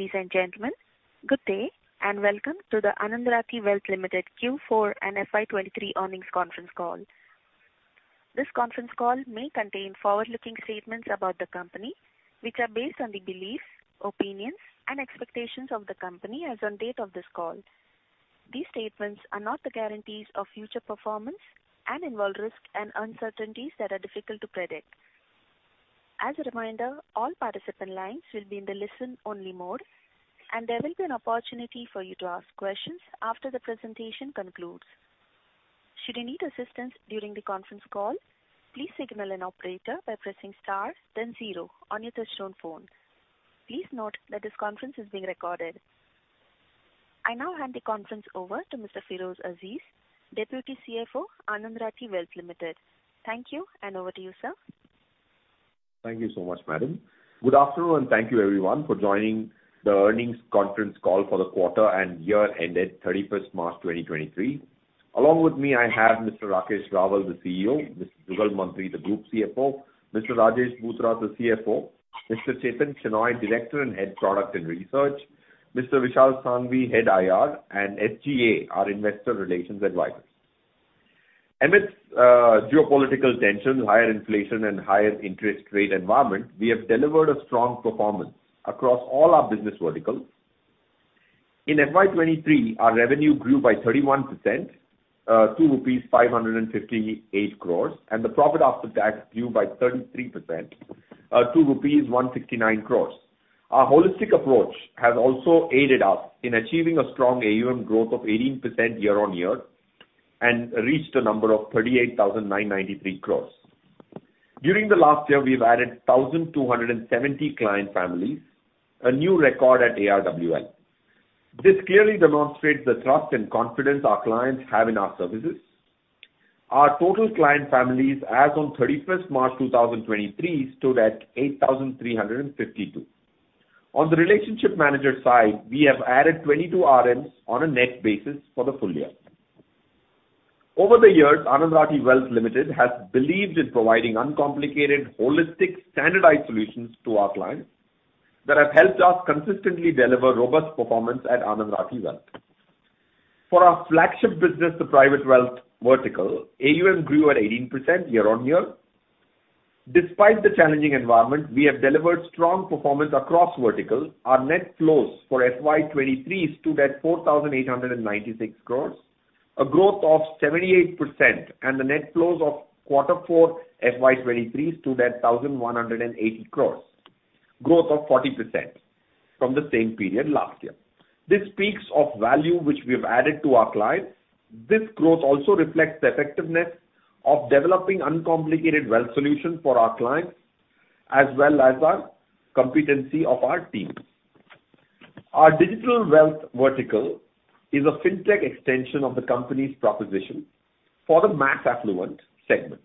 Ladies and gentlemen, good day, welcome to the Anand Rathi Wealth Limited Q4 and FY 2023 earnings conference call. This conference call may contain forward-looking statements about the company, which are based on the beliefs, opinions, and expectations of the company as on date of this call. These statements are not the guarantees of future performance and involve risks and uncertainties that are difficult to predict. As a reminder, all participant lines will be in the listen-only mode, there will be an opportunity for you to ask questions after the presentation concludes. Should you need assistance during the conference call, please signal an operator by pressing star then zero on your touchtone phone. Please note that this conference is being recorded. I now hand the conference over to Mr. Feroze Azeez, Deputy CFO, Anand Rathi Wealth Limited. Thank you, over to you, sir. Thank you so much, Madam. Good afternoon. Thank you everyone for joining the earnings conference call for the quarter and year ended 31st March 2023. Along with me, I have Mr. Rakesh Rawal, the CEO, Mr. Jugal Mantri, the Group CFO, Mr. Rajesh Bhutara, the CFO, Mr. Chethan Shenoy, Director and Head Product and Research, Mr. Vishal Sanghavi, Head IR, and SGA, our investor relations advisors. Amidst geopolitical tensions, higher inflation, and higher interest rate environment, we have delivered a strong performance across all our business verticals. In FY 2023, our revenue grew by 31% to rupees 558 crores. The profit after tax grew by 33% to rupees 169 crores. Our holistic approach has also aided us in achieving a strong AUM growth of 18% year-on-year and reached a number of 38,993 crores. During the last year, we've added 1,270 client families, a new record at ARWL. This clearly demonstrates the trust and confidence our clients have in our services. Our total client families as on 31st March 2023 stood at 8,352. On the relationship manager side, we have added 22 RMs on a net basis for the full year. Over the years, Anand Rathi Wealth Limited has believed in providing uncomplicated, holistic, standardized solutions to our clients that have helped us consistently deliver robust performance at Anand Rathi Wealth. For our flagship business, the private wealth vertical, AUM grew at 18% year-on-year. Despite the challenging environment, we have delivered strong performance across verticals. Our net flows for FY 2023 stood at 4,896 crores, a growth of 78%, and the net flows of Q4 FY 2023 stood at 1,180 crores, growth of 40% from the same period last year. This speaks of value which we have added to our clients. This growth also reflects the effectiveness of developing uncomplicated wealth solutions for our clients, as well as our competency of our team. Our digital wealth vertical is a fintech extension of the company's proposition for the mass affluent segment.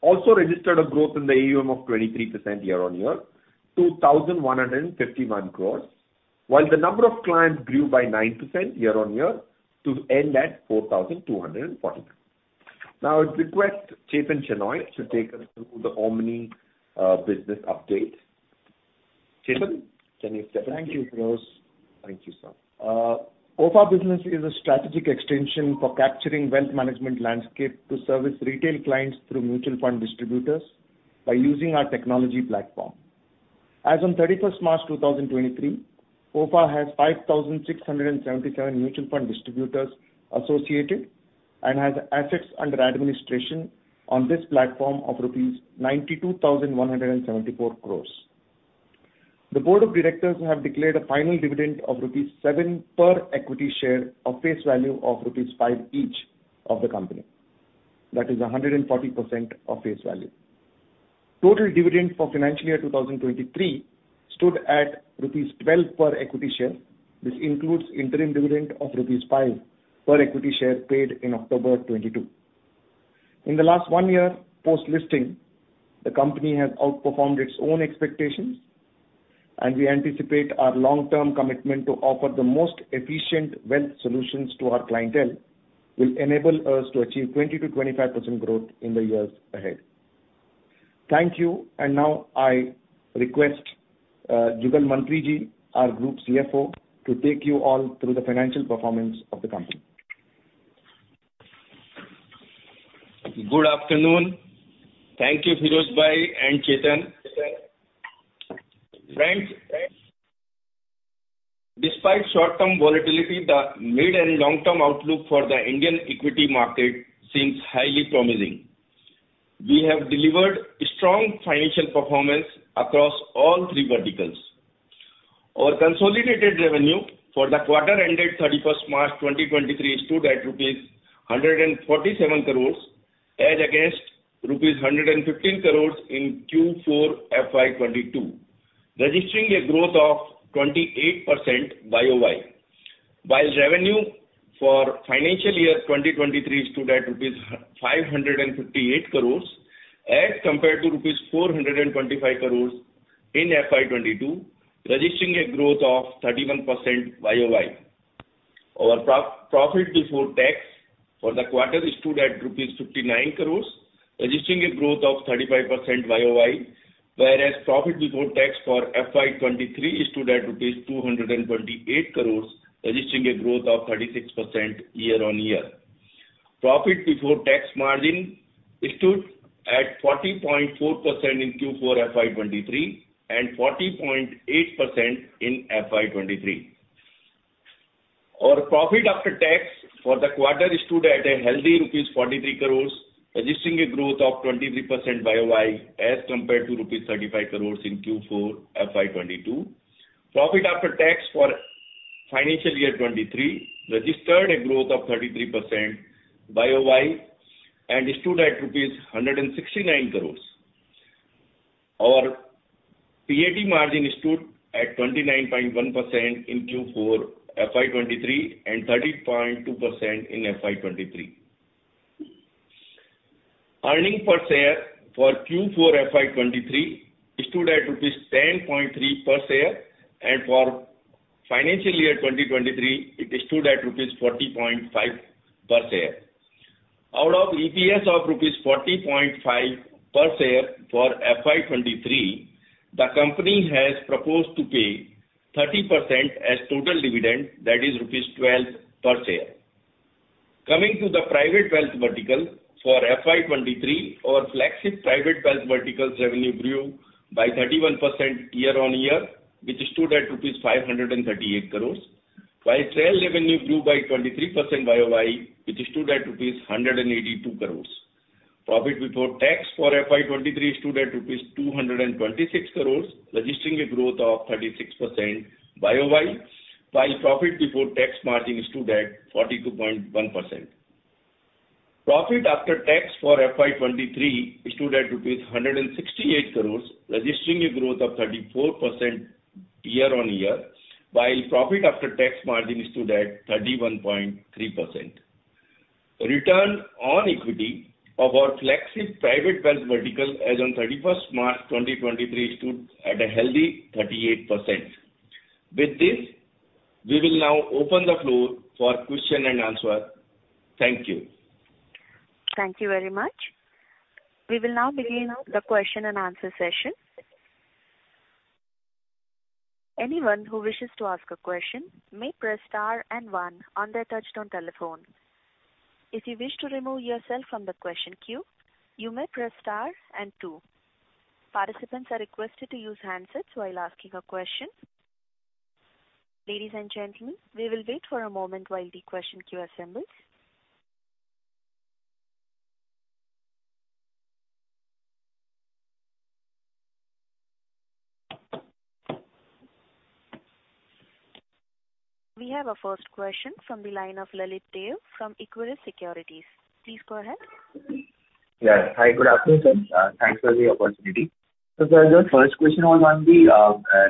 Also registered a growth in the AUM of 23% year-on-year to 1,151 crores, while the number of clients grew by 9% year-on-year to end at 4,240. Now I request Chetan Chinoy to take us through the Omni business update. Chetan, can you take us through? Thank you, Firoz. Thank you, sir. OFA business is a strategic extension for capturing wealth management landscape to service retail clients through mutual fund distributors by using our technology platform. As on 31st March 2023, OFA has 5,677 mutual fund distributors associated and has assets under administration on this platform of rupees 92,174 crores. The board of directors have declared a final dividend of rupees 7 per equity share of face value of rupees 5 each of the company. That is 140% of face value. Total dividend for financial year 2023 stood at rupees 12 per equity share. This includes interim dividend of rupees 5 per equity share paid in October 2022. In the last one year post-listing, the company has outperformed its own expectations. We anticipate our long-term commitment to offer the most efficient wealth solutions to our clientele will enable us to achieve 20%-25% growth in the years ahead. Thank you. Now I request, Jugal Mantri-ji, our Group CFO, to take you all through the financial performance of the company. Good afternoon. Thank you, Feroze भाई, and Chethan. Friends, despite short-term volatility, the mid- and long-term outlook for the Indian equity market seems highly promising. We have delivered strong financial performance across all three verticals. Our consolidated revenue for the quarter ended 31st March 2023 stood at INR 147 crores as against INR 115 crores in Q4 FY 2022, registering a growth of 28% YOY, while revenue for financial year 2023 stood at rupees 558 crores as compared to rupees 425 crores in FY 2022, registering a growth of 31% YOY. Our pro-profit before tax for the quarter stood at rupees 59 crores, registering a growth of 35% YOY. Profit before tax for FY 2023 stood at INR 228 crores, registering a growth of 36% year-on-year. Profit before tax margin stood at 40.4% in Q4FY 2023 and 40.8% in FY 2023. Our profit after tax for the quarter stood at a healthy rupees 43 crores, registering a growth of 23% YOY as compared to rupees 35 crores in Q4 FY 2022. Profit after tax for FY 2023 registered a growth of 33% YOY and stood at rupees 169 crores. Our PAT margin stood at 29.1% in Q4FY 2023 and 30.2% in FY 2023. Earning per share for Q4FY 2023 stood at rupees 10.3 per share, and for FY 2023 it stood at rupees 40.5 per share. Out of EPS of rupees 40.5 per share for FY 2023, the company has proposed to pay 30% as total dividend, that is rupees 12 per share. Coming to the private wealth vertical for FY 2023, our flagship private wealth vertical's revenue grew by 31% year-on-year, which stood at rupees 538 crores, while trail revenue grew by 23% YOY, which stood at rupees 182 crores. Profit before tax for FY 2023 stood at rupees 226 crores, registering a growth of 36% YOY, while profit before tax margin stood at 42.1%. Profit after tax for FY 2023 stood at rupees 168 crores, registering a growth of 34% year-on-year, while profit after tax margin stood at 31.3%. Return on equity of our flagship private wealth vertical as on 31st March 2023 stood at a healthy 38%. With this, we will now open the floor for question and answer. Thank you. Thank you very much. We will now begin the question and answer session. Anyone who wishes to ask a question may press star and one on their touch-tone telephone. If you wish to remove yourself from the question queue, you may press star and two. Participants are requested to use handsets while asking a question. Ladies and gentlemen, we will wait for a moment while the question queue assembles. We have our first question from the line of Lalit Deo from Equirus Securities. Please go ahead. Yeah. Hi, good afternoon, sir. Thanks for the opportunity. Sir, the first question was on the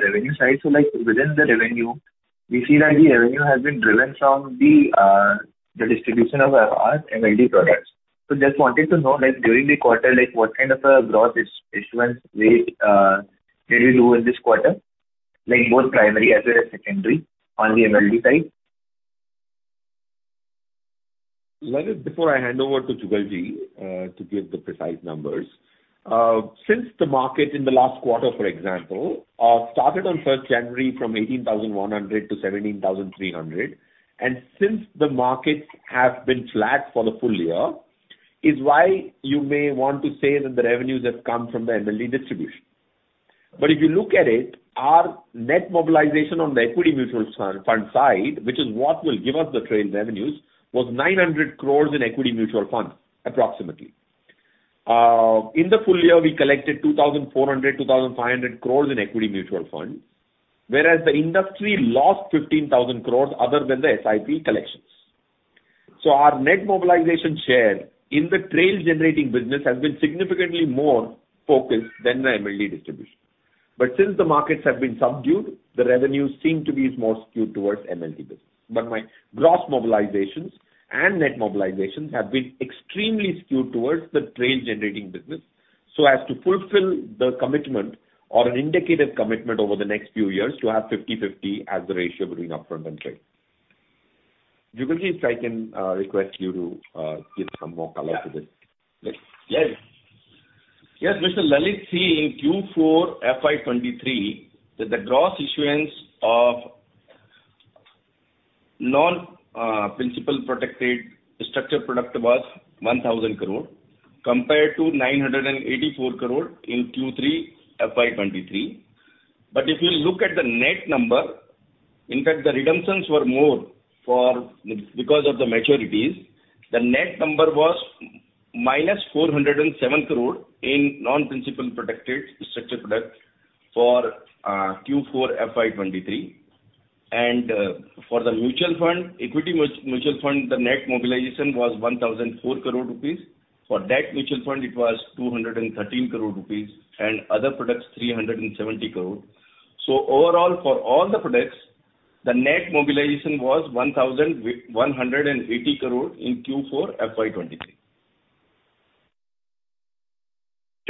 revenue side. Like, within the revenue, we see that the revenue has been driven from the distribution of our MLD products. Just wanted to know, like, during the quarter, like, what kind of a growth is, issuance rate did you do in this quarter? Like both primary as well as secondary on the MLD side. Lalit, before I hand over to Jugalji to give the precise numbers. Since the market in the last quarter, for example, started on first January from 18,100-17,300, since the markets have been flat for the full year, is why you may want to say that the revenues have come from the MLD distribution. If you look at it, our net mobilization on the equity mutual fund side, which is what will give us the trail revenues, was 900 crores in equity mutual funds, approximately. In the full year, we collected 2,400, 2,500 crores in equity mutual funds, whereas the industry lost 15,000 crores other than the SIP collections. Our net mobilization share in the trail generating business has been significantly more focused than the MLD distribution. Since the markets have been subdued, the revenues seem to be more skewed towards MLD business. My gross mobilizations and net mobilizations have been extremely skewed towards the trail generating business, so as to fulfill the commitment or an indicated commitment over the next few years to have 50/50 as the ratio between upfront and trail. Jugal Ji if I can request you to give some more color to this. Yes. Yes, Mr. Lalit. In Q4FY 2023, the gross issuance of non-principal protected structured product was 1,000 crore compared to 984 crore in Q3FY 2023. If you look at the net number, in fact the redemptions were more because of the maturities. The net number was minus 407 crore in non-principal protected structured product for Q4FY 2023. For the mutual fund, equity mutual fund, the net mobilization was 1,004 crore rupees. For debt mutual fund it was 213 crore rupees and other products, 370 crore. Overall for all the products, the net mobilization was 1,180 crore in Q4FY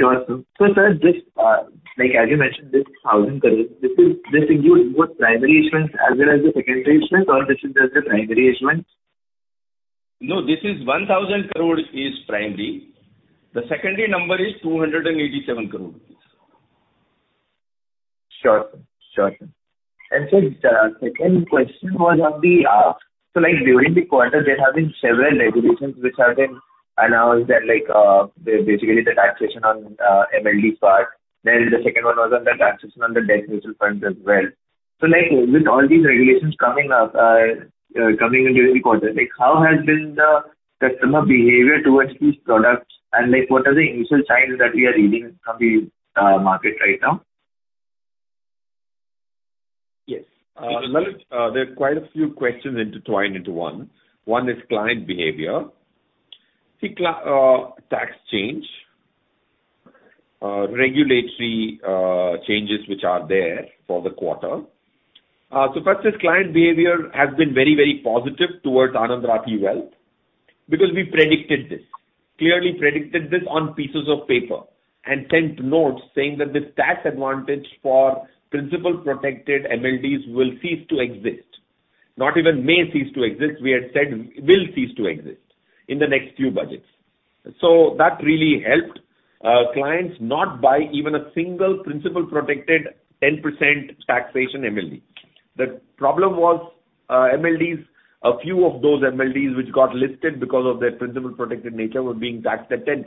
2023. Awesome. sir, this, like as you mentioned, this 1,000 crore, this includes both primary issuance as well as the secondary issuance or this is just the primary issuance? No, this is 1,000 crores is primary. The secondary number is 287 crores. Sure, sure. Sir, the second question was on the during the quarter there have been several regulations which have been announced basically the taxation on MLD part. The second one was on the taxation on the debt mutual funds as well. With all these regulations coming up coming into the quarter, how has been the customer behavior towards these products and what are the initial signs that we are reading from the market right now? Yes. Well it's, there are quite a few questions intertwined into one. One is client behavior. See tax change. Regulatory changes which are there for the quarter. First is client behavior has been very, very positive towards Anand Rathi Wealth because we predicted this. Clearly predicted this on pieces of paper and sent notes saying that this tax advantage for principal protected MLDs will cease to exist. Not even may cease to exist, we had said will cease to exist in the next few budgets. That really helped clients not buy even a single principal protected 10% taxation MLD. The problem was, MLDs, a few of those MLDs which got listed because of their principal protected nature were being taxed at 10%.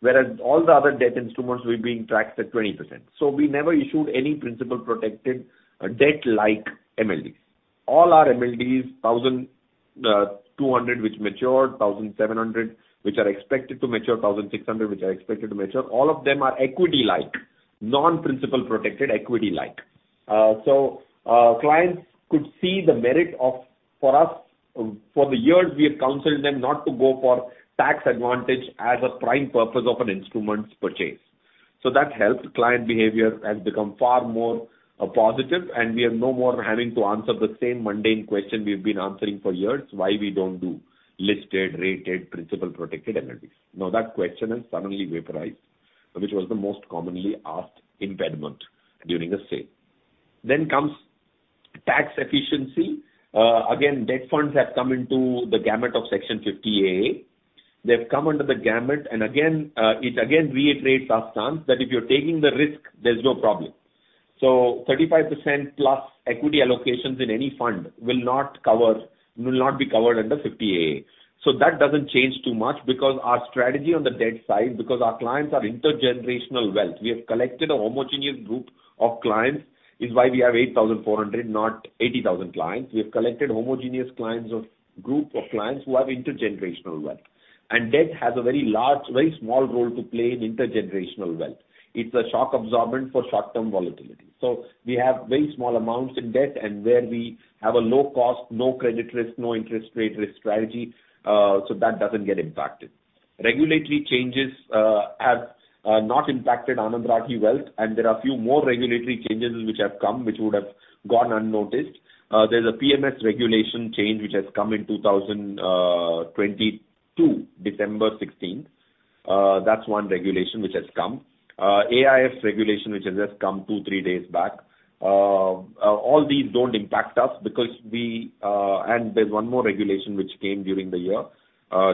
Whereas all the other debt instruments were being taxed at 20%. We never issued any principal protected debt like MLDs. All our MLDs, 1,200 which matured, 1,700 which are expected to mature, 1,600 which are expected to mature, all of them are equity-like, non-principal protected equity-like. Clients could see the merit of for us, for the years we have counseled them not to go for tax advantage as a prime purpose of an instrument's purchase. That helped. Client behavior has become far more positive and we are no more having to answer the same mundane question we've been answering for years, why we don't do listed, rated, principal protected MLDs. Now that question has suddenly vaporized, which was the most commonly asked impediment during a sale. Comes tax efficiency. Again, debt funds have come into the gamut of Section 50AA. They've come under the gamut and again, it again reiterates our stance that if you're taking the risk there's no problem. 35%+ equity allocations in any fund will not be covered under 50AA. That doesn't change too much because our strategy on the debt side, because our clients are intergenerational wealth. We have collected a homogeneous group of clients is why we have 8,400 clients, not 80,000 clients. We have collected homogeneous group of clients who have intergenerational wealth. Debt has a very large, very small role to play in intergenerational wealth. It's a shock absorbent for short-term volatility. We have very small amounts in debt and where we have a low cost, no credit risk, no interest rate risk strategy, so that doesn't get impacted. Regulatory changes have not impacted Anand Rathi Wealth and there are a few more regulatory changes which have come which would have gone unnoticed. There's a PMS regulation change which has come in 2022, December 16th. That's one regulation which has come. AIF regulation which has just come two, three days back. All these don't impact us because we. And there's one more regulation which came during the year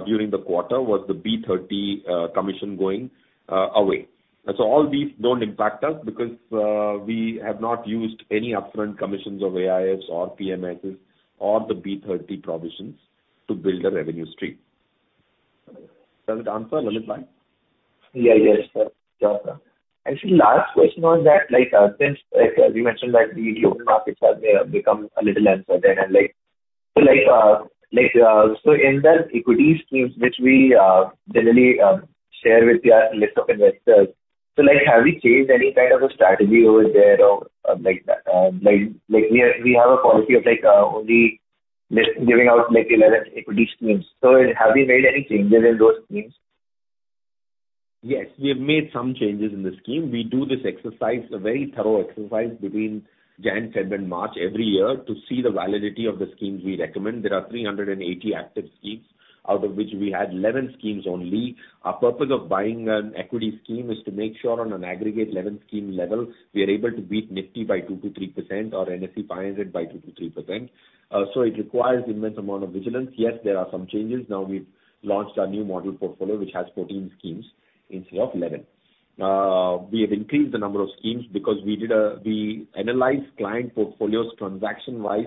during the quarter, was the B30 commission going away. All these don't impact us because we have not used any upfront commissions of AIFs or PMSs or the B30 provisions to build a revenue stream. Does it answer well it, right? Yeah. Yes, sir. Sure, sir. Actually last question was that like, since like as you mentioned that the global markets have become a little uncertain and like, so like, so in the equity schemes which we generally share with our list of investors, so like have we changed any kind of a strategy over there or like, we have a policy of like, only giving out like 11 equity schemes. Have we made any changes in those schemes? Yes, we have made some changes in the scheme. We do this exercise, a very thorough exercise between Jan, Feb and March every year to see the validity of the schemes we recommend. There are 380 active schemes, out of which we had 11 schemes only. Our purpose of buying an equity scheme is to make sure on an aggregate 11 scheme level, we are able to beat NIFTY by 2%-3% or NSE five hundred by 2%-3%. So it requires immense amount of vigilance. Yes, there are some changes. Now we've launched our new model portfolio which has 14 schemes instead of 11 schemes. We have increased the number of schemes because we analyzed client portfolios transaction-wise,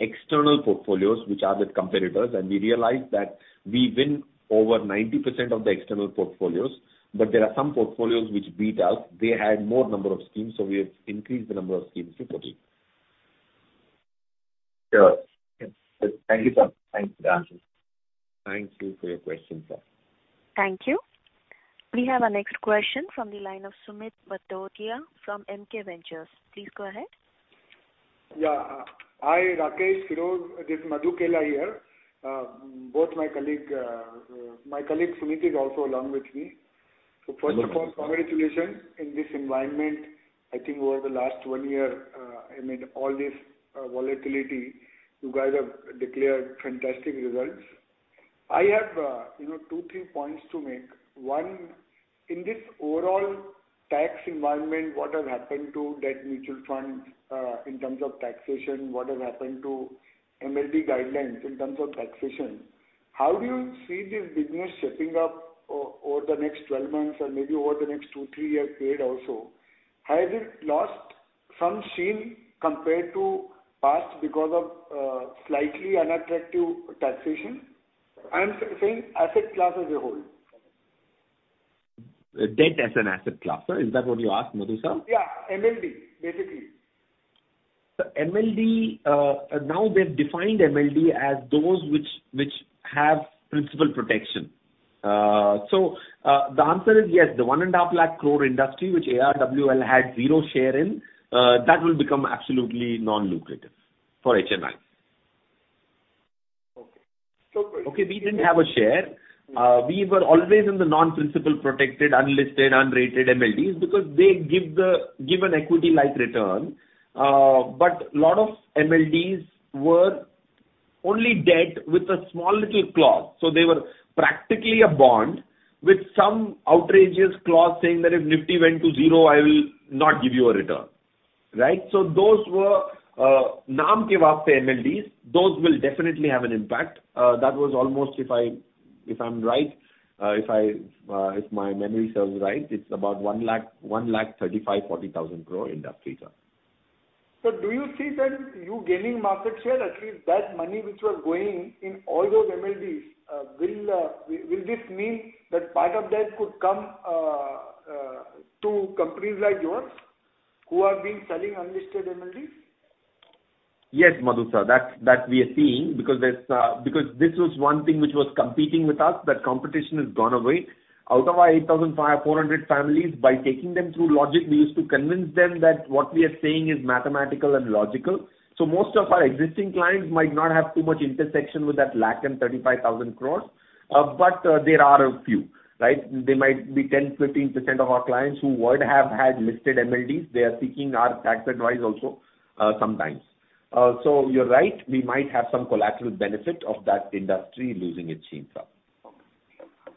external portfolios which are with competitors. We realized that we win over 90% of the external portfolios, there are some portfolios which beat us. They had more number of schemes. We have increased the number of schemes to 14 schemes. Sure. Thank you, sir. Thanks for the answers. Thank you for your question, sir. Thank you. We have our next question from the line of Sumit Bhatia from MK Ventures. Please go ahead. Yeah. Hi Rakesh, this is Madhu Kela here. My colleague Sumit is also along with me. First of all, congratulations in this environment. I think over the last one year, amid all this volatility, you guys have declared fantastic results. I have, you know, two, three points to make. One, in this overall tax environment, what has happened to debt mutual funds in terms of taxation? What has happened to MLD guidelines in terms of taxation? How do you see this business shaping up over the next 12 months or maybe over the next two, three-year period also? Has it lost some sheen compared to past because of slightly unattractive taxation? I'm saying asset class as a whole. Debt as an asset class, sir. Is that what you asked, Madhu sir? Yeah. MLD, basically. Sir MLD, now they've defined MLD as those which have principal protection. The answer is yes. The one and half lakh crore industry, which ARWL had zero share in, that will become absolutely non-lucrative for HNIs. Okay. Okay. We didn't have a share. We were always in the non-principal protected, unlisted, unrated MLDs because they give an equity-like return. Lot of MLDs were only debt with a small little clause. They were practically a bond with some outrageous clause saying that if NIFTY went to zero, I will not give you a return. Right? Those were naam ke waaste MLDs. Those will definitely have an impact. That was almost if I, if I'm right, if I, if my memory serves right, it's about 1 lakh, 135,000-140,000 crore industry, sir. Sir, do you see that you gaining market share, at least that money which was going in all those MLDs, will this mean that part of that could come to companies like yours who have been selling unlisted MLDs? Yes, Madhu sir. That we are seeing because there's, because this was one thing which was competing with us. That competition has gone away. Out of our 8,400 families, by taking them through logic, we used to convince them that what we are saying is mathematical and logical. Most of our existing clients might not have too much intersection with that 1,35,000 crores. But there are a few, right? They might be 10%, 15% of our clients who would have had listed MLDs. They are seeking our tax advice also, sometimes. You're right, we might have some collateral benefit of that industry losing its sheen, sir.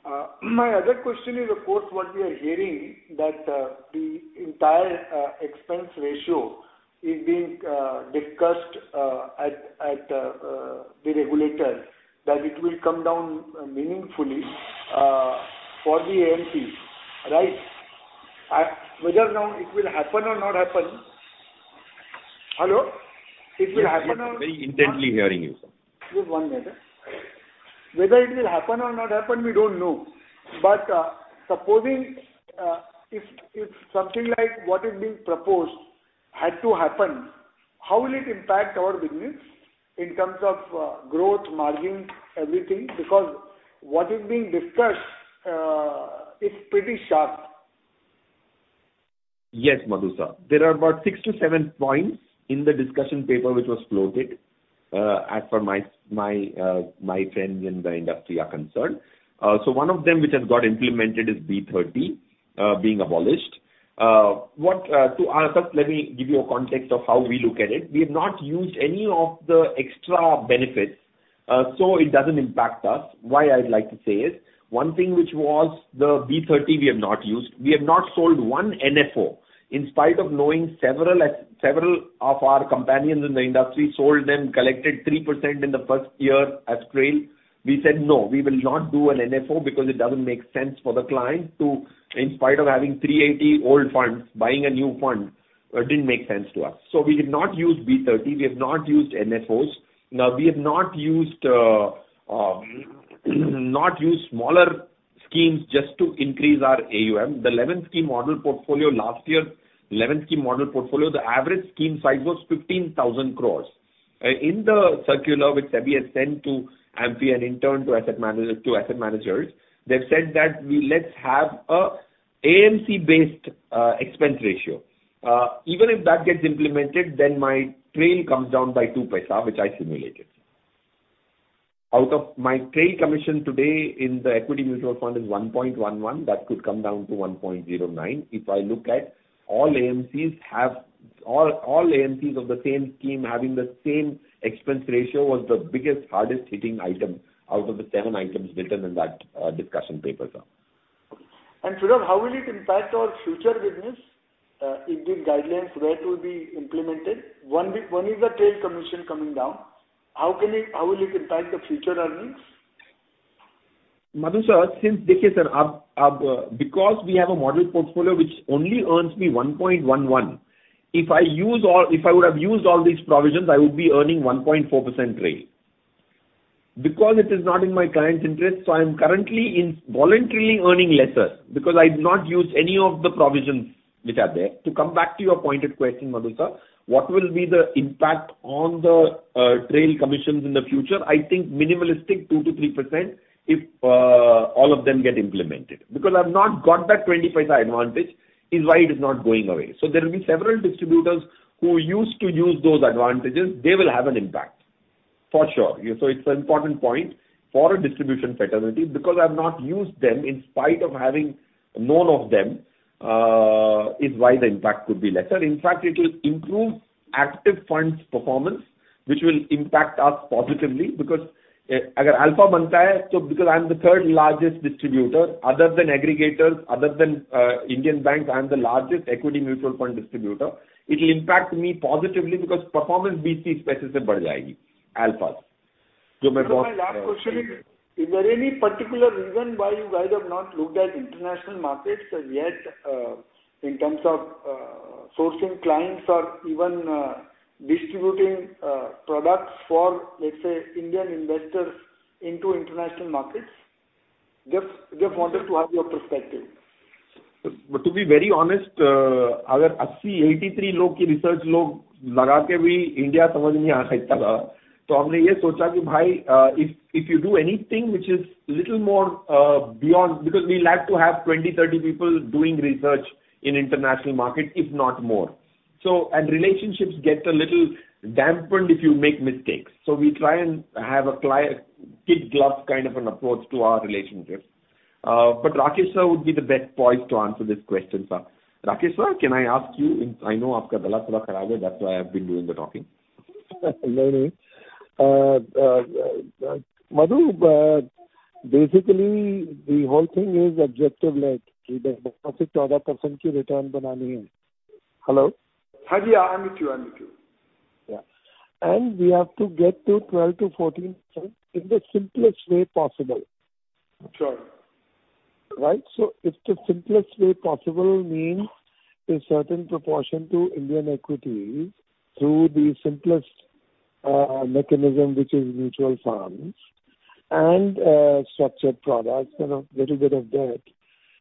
Okay. My other question is, of course, what we are hearing that, the entire, expense ratio is being, discussed, at, the regulators that it will come down meaningfully, for the AMCs, right? Whether now it will happen or not. Hello? It will happen or not. Very intently hearing you, sir. Give one minute. Whether it will happen or not happen, we don't know. Supposing, if something like what is being proposed had to happen, how will it impact our business in terms of growth, margins, everything? What is being discussed is pretty sharp. Yes, Madhu sir. There are about 6 points-7 points in the discussion paper which was floated, as per my friends in the industry are concerned. One of them which has got implemented is B30, being abolished. To answer, let me give you a context of how we look at it. We have not used any of the extra benefits, so it doesn't impact us. Why I'd like to say is one thing which was the B30 we have not used. We have not sold one NFO. In spite of knowing several as. several of our companions in the industry sold them, collected 3% in the first year as trail, we said, "No, we will not do an NFO because it doesn't make sense for the client to, in spite of having three AT old funds, buying a new fund." It didn't make sense to us. We have not used B30. We have not used NFOs. We have not used smaller schemes just to increase our AUM. The 11 scheme model portfolio last year, the average scheme size was 15,000 crores. In the circular which SEBI has sent to AMC and in turn to asset managers, they've said that let's have a AMC based expense ratio. Even if that gets implemented, then my trail comes down by 2 paisa, which I simulated. Out of my trail commission today in the equity mutual fund is 1.11%. That could come down to 1.09%. All AMCs of the same scheme having the same expense ratio was the biggest, hardest hitting item out of the seven items written in that discussion paper, sir. Sudhakar, how will it impact our future business, if these guidelines were to be implemented? One is the trail commission coming down. How will it impact the future earnings? Madhu sir, since dekhiye sir because we have a model portfolio which only earns me 1.11%, if I would have used all these provisions, I would be earning 1.4% trail. It is not in my client's interest, so I am currently in voluntarily earning lesser because I've not used any of the provisions which are there. To come back to your pointed question, Madhu sir, what will be the impact on the trail commissions in the future? I think minimalistic 2%-3% if all of them get implemented. I've not got that 20 paisa advantage is why it is not going away. There will be several distributors who used to use those advantages, they will have an impact for sure. It's an important point for a distribution fraternity because I've not used them in spite of having known of them. Is why the impact could be lesser. In fact, it will improve active funds performance, which will impact us positively because I'm the third largest distributor. Other than aggregators, other than Indian banks, I am the largest equity mutual fund distributor. It will impact me positively because performance alphas. Madhu, my last question is there any particular reason why you guys have not looked at international markets as yet, in terms of, sourcing clients or even, distributing, products for, let's say, Indian investors into international markets? Just wanted to have your perspective. To be very honest, if you do anything which is little more beyond. Because we like to have 20 people, 30 people doing research in international market, if not more. Relationships get a little dampened if you make mistakes. We try and have a kid gloves kind of an approach to our relationships. Rakesh sir would be the best poised to answer this question, sir. Rakesh sir, can I ask you? I know that's why I've been doing the talking. No, no. Madhu, basically the whole thing is objective-led. Hello? Hiji, I'm with you. Yeah. We have to get to 12%-14% in the simplest way possible. Sure. Right? If the simplest way possible means a certain proportion to Indian equities through the simplest mechanism, which is mutual funds and structured products and a little bit of debt,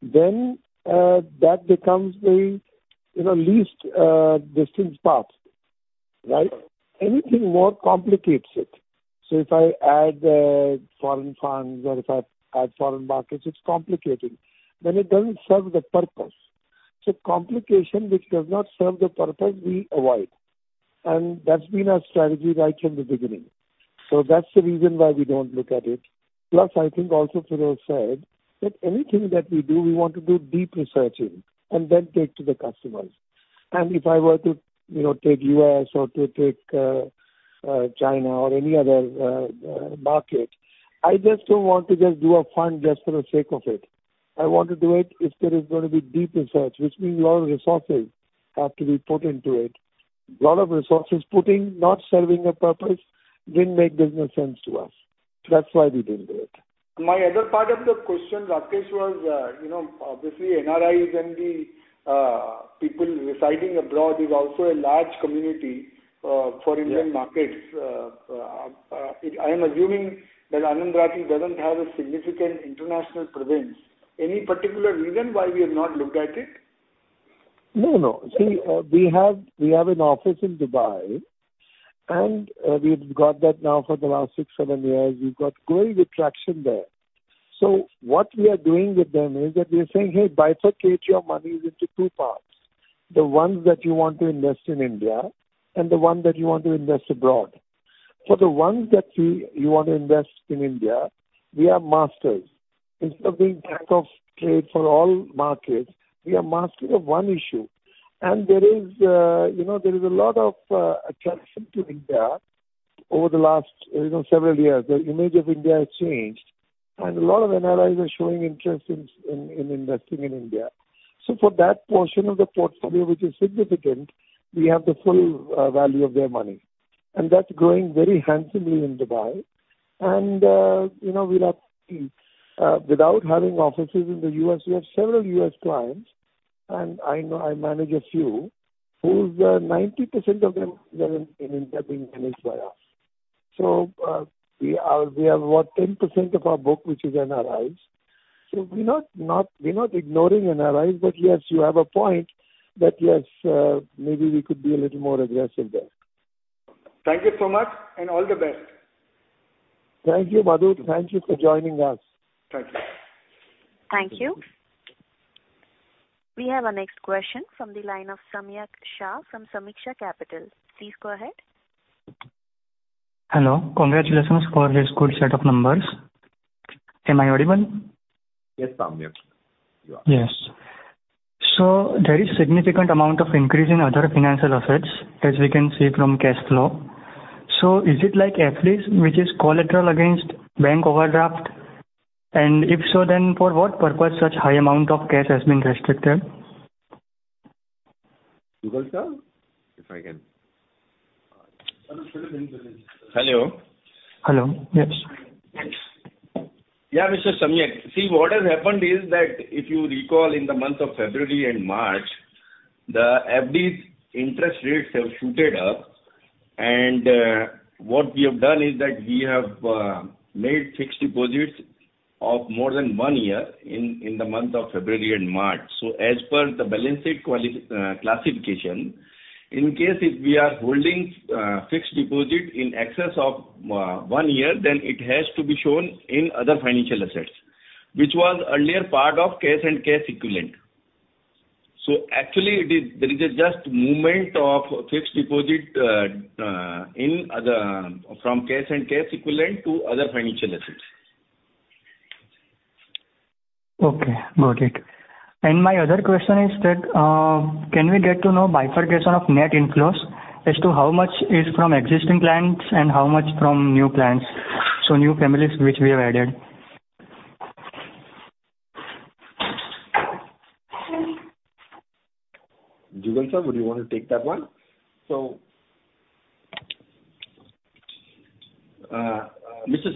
that becomes the, you know, least distance path, right? Anything more complicates it. If I add foreign funds or if I add foreign markets, it's complicating. It doesn't serve the purpose. Complication which does not serve the purpose, we avoid. That's been our strategy right from the beginning. That's the reason why we don't look at it. Plus, I think also Prudhoe said that anything that we do, we want to do deep research in and then take to the customers. If I were to, you know, take U.S. or to take China or any other market, I just don't want to just do a fund just for the sake of it. I want to do it if there is gonna be deep research, which means a lot of resources have to be put into it. Lot of resources putting, not serving a purpose didn't make business sense to us. That's why we didn't do it. My other part of the question, Rakesh, was, you know, obviously NRIs and the people residing abroad is also a large community for Indian markets. Yeah. I am assuming that Anand Rathi doesn't have a significant international presence. Any particular reason why we have not looked at it? No, no. See, we have, we have an office in Dubai, and we've got that now for the last six, seven years. We've got growing attraction there. What we are doing with them is that we are saying, "Hey, bifurcate your monies into two parts. The ones that you want to invest in India, and the one that you want to invest abroad." For the ones that you want to invest in India, we are masters. Instead of being jack of trade for all markets, we are master of one issue. There is, you know, there is a lot of attraction to India over the last, you know, several years. The image of India has changed. A lot of NRIs are showing interest in investing in India. For that portion of the portfolio, which is significant, we have the full value of their money. That's growing very handsomely in Dubai. You know, without having offices in the US, we have several US clients, and I know, I manage a few, whose 90% of them are in India being managed by us. We have about 10% of our book, which is NRIs. We're not ignoring NRIs. Yes, you have a point that, yes, maybe we could be a little more aggressive there. Thank you so much, and all the best. Thank you, Madhu. Thank you for joining us. Thank you. Thank you. We have our next question from the line of Samyak Shah from Sameeksha Capital. Please go ahead. Hello. Congratulations for this good set of numbers. Am I audible? Yes, Samyak. You are. Yes. There is significant amount of increase in other financial assets, as we can see from cash flow. Is it like FD, which is collateral against bank overdraft? If so, for what purpose such high amount of cash has been restricted? Vikas sir, if I can. Hello. Hello. Yes. Yes. Yeah, Mr. Samyak. See, what has happened is that if you recall in the month of February and March, the FDs interest rates have shooted up. What we have done is that we have made fixed deposits of more than 1 year in the month of February and March. As per the balance sheet classification, in case if we are holding fixed deposit in excess of one year, then it has to be shown in other financial assets, which was earlier part of cash and cash equivalent. Actually it is, there is a just movement of fixed deposit in other from cash and cash equivalent to other financial assets. Okay. Got it. My other question is that, can we get to know bifurcation of net inflows as to how much is from existing clients and how much from new clients? New families which we have added. Jugal sir, would you wanna take that one? Mr.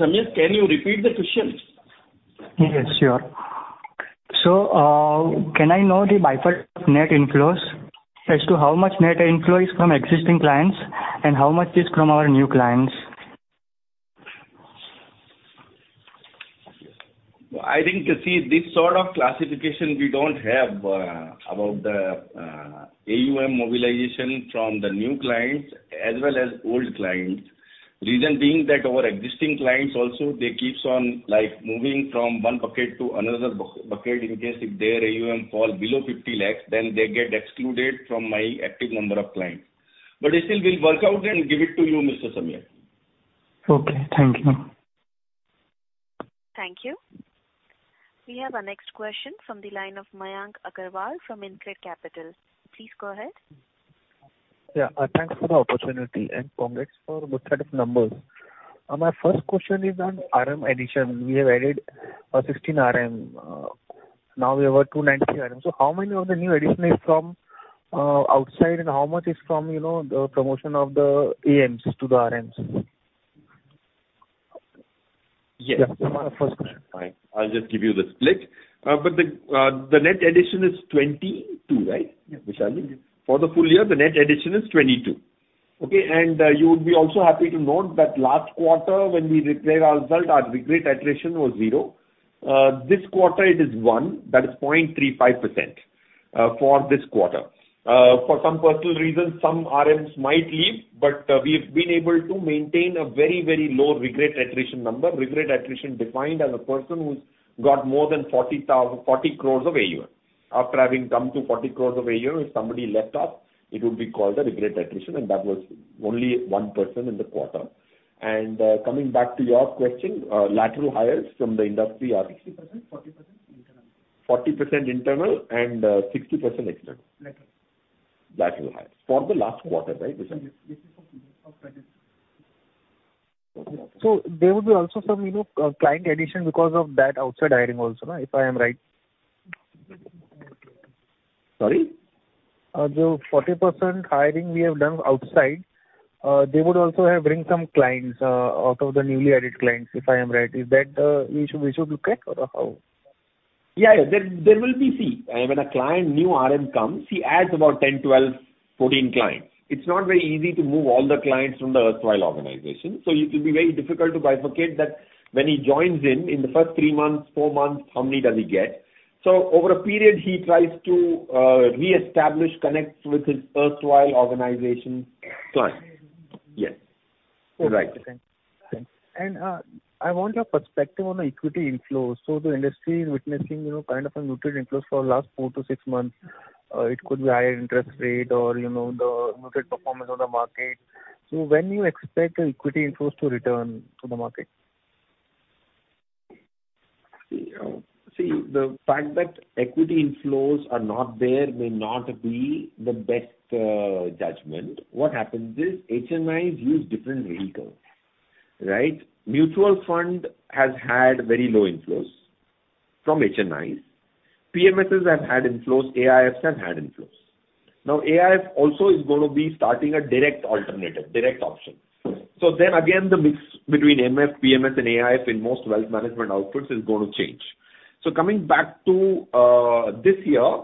Sameer, can you repeat the question? Yes, sure. Can I know the net inflows as to how much net inflow is from existing clients and how much is from our new clients? I think, you see, this sort of classification we don't have about the AUM mobilization from the new clients as well as old clients. Reason being that our existing clients also they keeps on, like, moving from one bucket to another bucket in case if their AUM fall below 50 lakhs, then they get excluded from my active number of clients. Still we'll work out and give it to you, Mr. Sameer. Okay. Thank you. Thank you. We have our next question from the line of Mayank Agarwal from InCred Capital. Please go ahead. Yeah. Thanks for the opportunity, and congrats for good set of numbers. My first question is on RM addition. We have added 16 RM. Now we have a 290 RM. How many of the new addition is from outside and how much is from, you know, the promotion of the AMs to the RMs? Yes. Yeah. My first question. Fine. I'll just give you the split. The net addition is 22, right, Vishalji? Yes. For the full year, the net addition is 22. Okay? You would be also happy to note that last quarter when we declared our result, our regret attrition was zero. This quarter it is 1, that is 0.35%, for this quarter. For some personal reasons, some RMs might leave, but, we've been able to maintain a very, very low regret attrition number. Regret attrition defined as a person who's got more than 40 crores of AUM. After having come to 40 crores of AUM, if somebody left us, it would be called a regret attrition, and that was only one person in the quarter. Coming back to your question, lateral hires from the industry are. 60%, 40% internal. 40% internal and, 60% external. Lateral. Lateral hires. For the last quarter, right, Vishalji? Yes. This is for previous, of credit. Okay. There will be also some, you know, client addition because of that outside hiring also, if I am right. Sorry? The 40% hiring we have done outside, they would also have bring some clients, out of the newly added clients, if I am right. Is that, we should look at or how? Yeah, yeah. There will be. See, when a client, new RM comes, he adds about 10 clients, 12 clients, 14 clients. It's not very easy to move all the clients from the erstwhile organization. It will be very difficult to bifurcate that when he joins in the first three months, four months, how many does he get. Over a period, he tries to reestablish connects with his erstwhile organization's clients. Yes. You're right. Okay. Thanks. I want your perspective on the equity inflows. The industry is witnessing, you know, kind of a neutral inflows for the last four to six months. It could be higher interest rate or, you know, the neutral performance of the market. When you expect the equity inflows to return to the market? See, see, the fact that equity inflows are not there may not be the best judgment. What happens is HNIs use different vehicles, right? Mutual fund has had very low inflows from HNIs. PMSs have had inflows, AIFs have had inflows. Now, AIF also is gonna be starting a direct alternative, direct option. Then again the mix between MF, PMS and AIF in most wealth management outputs is gonna change. Coming back to this year,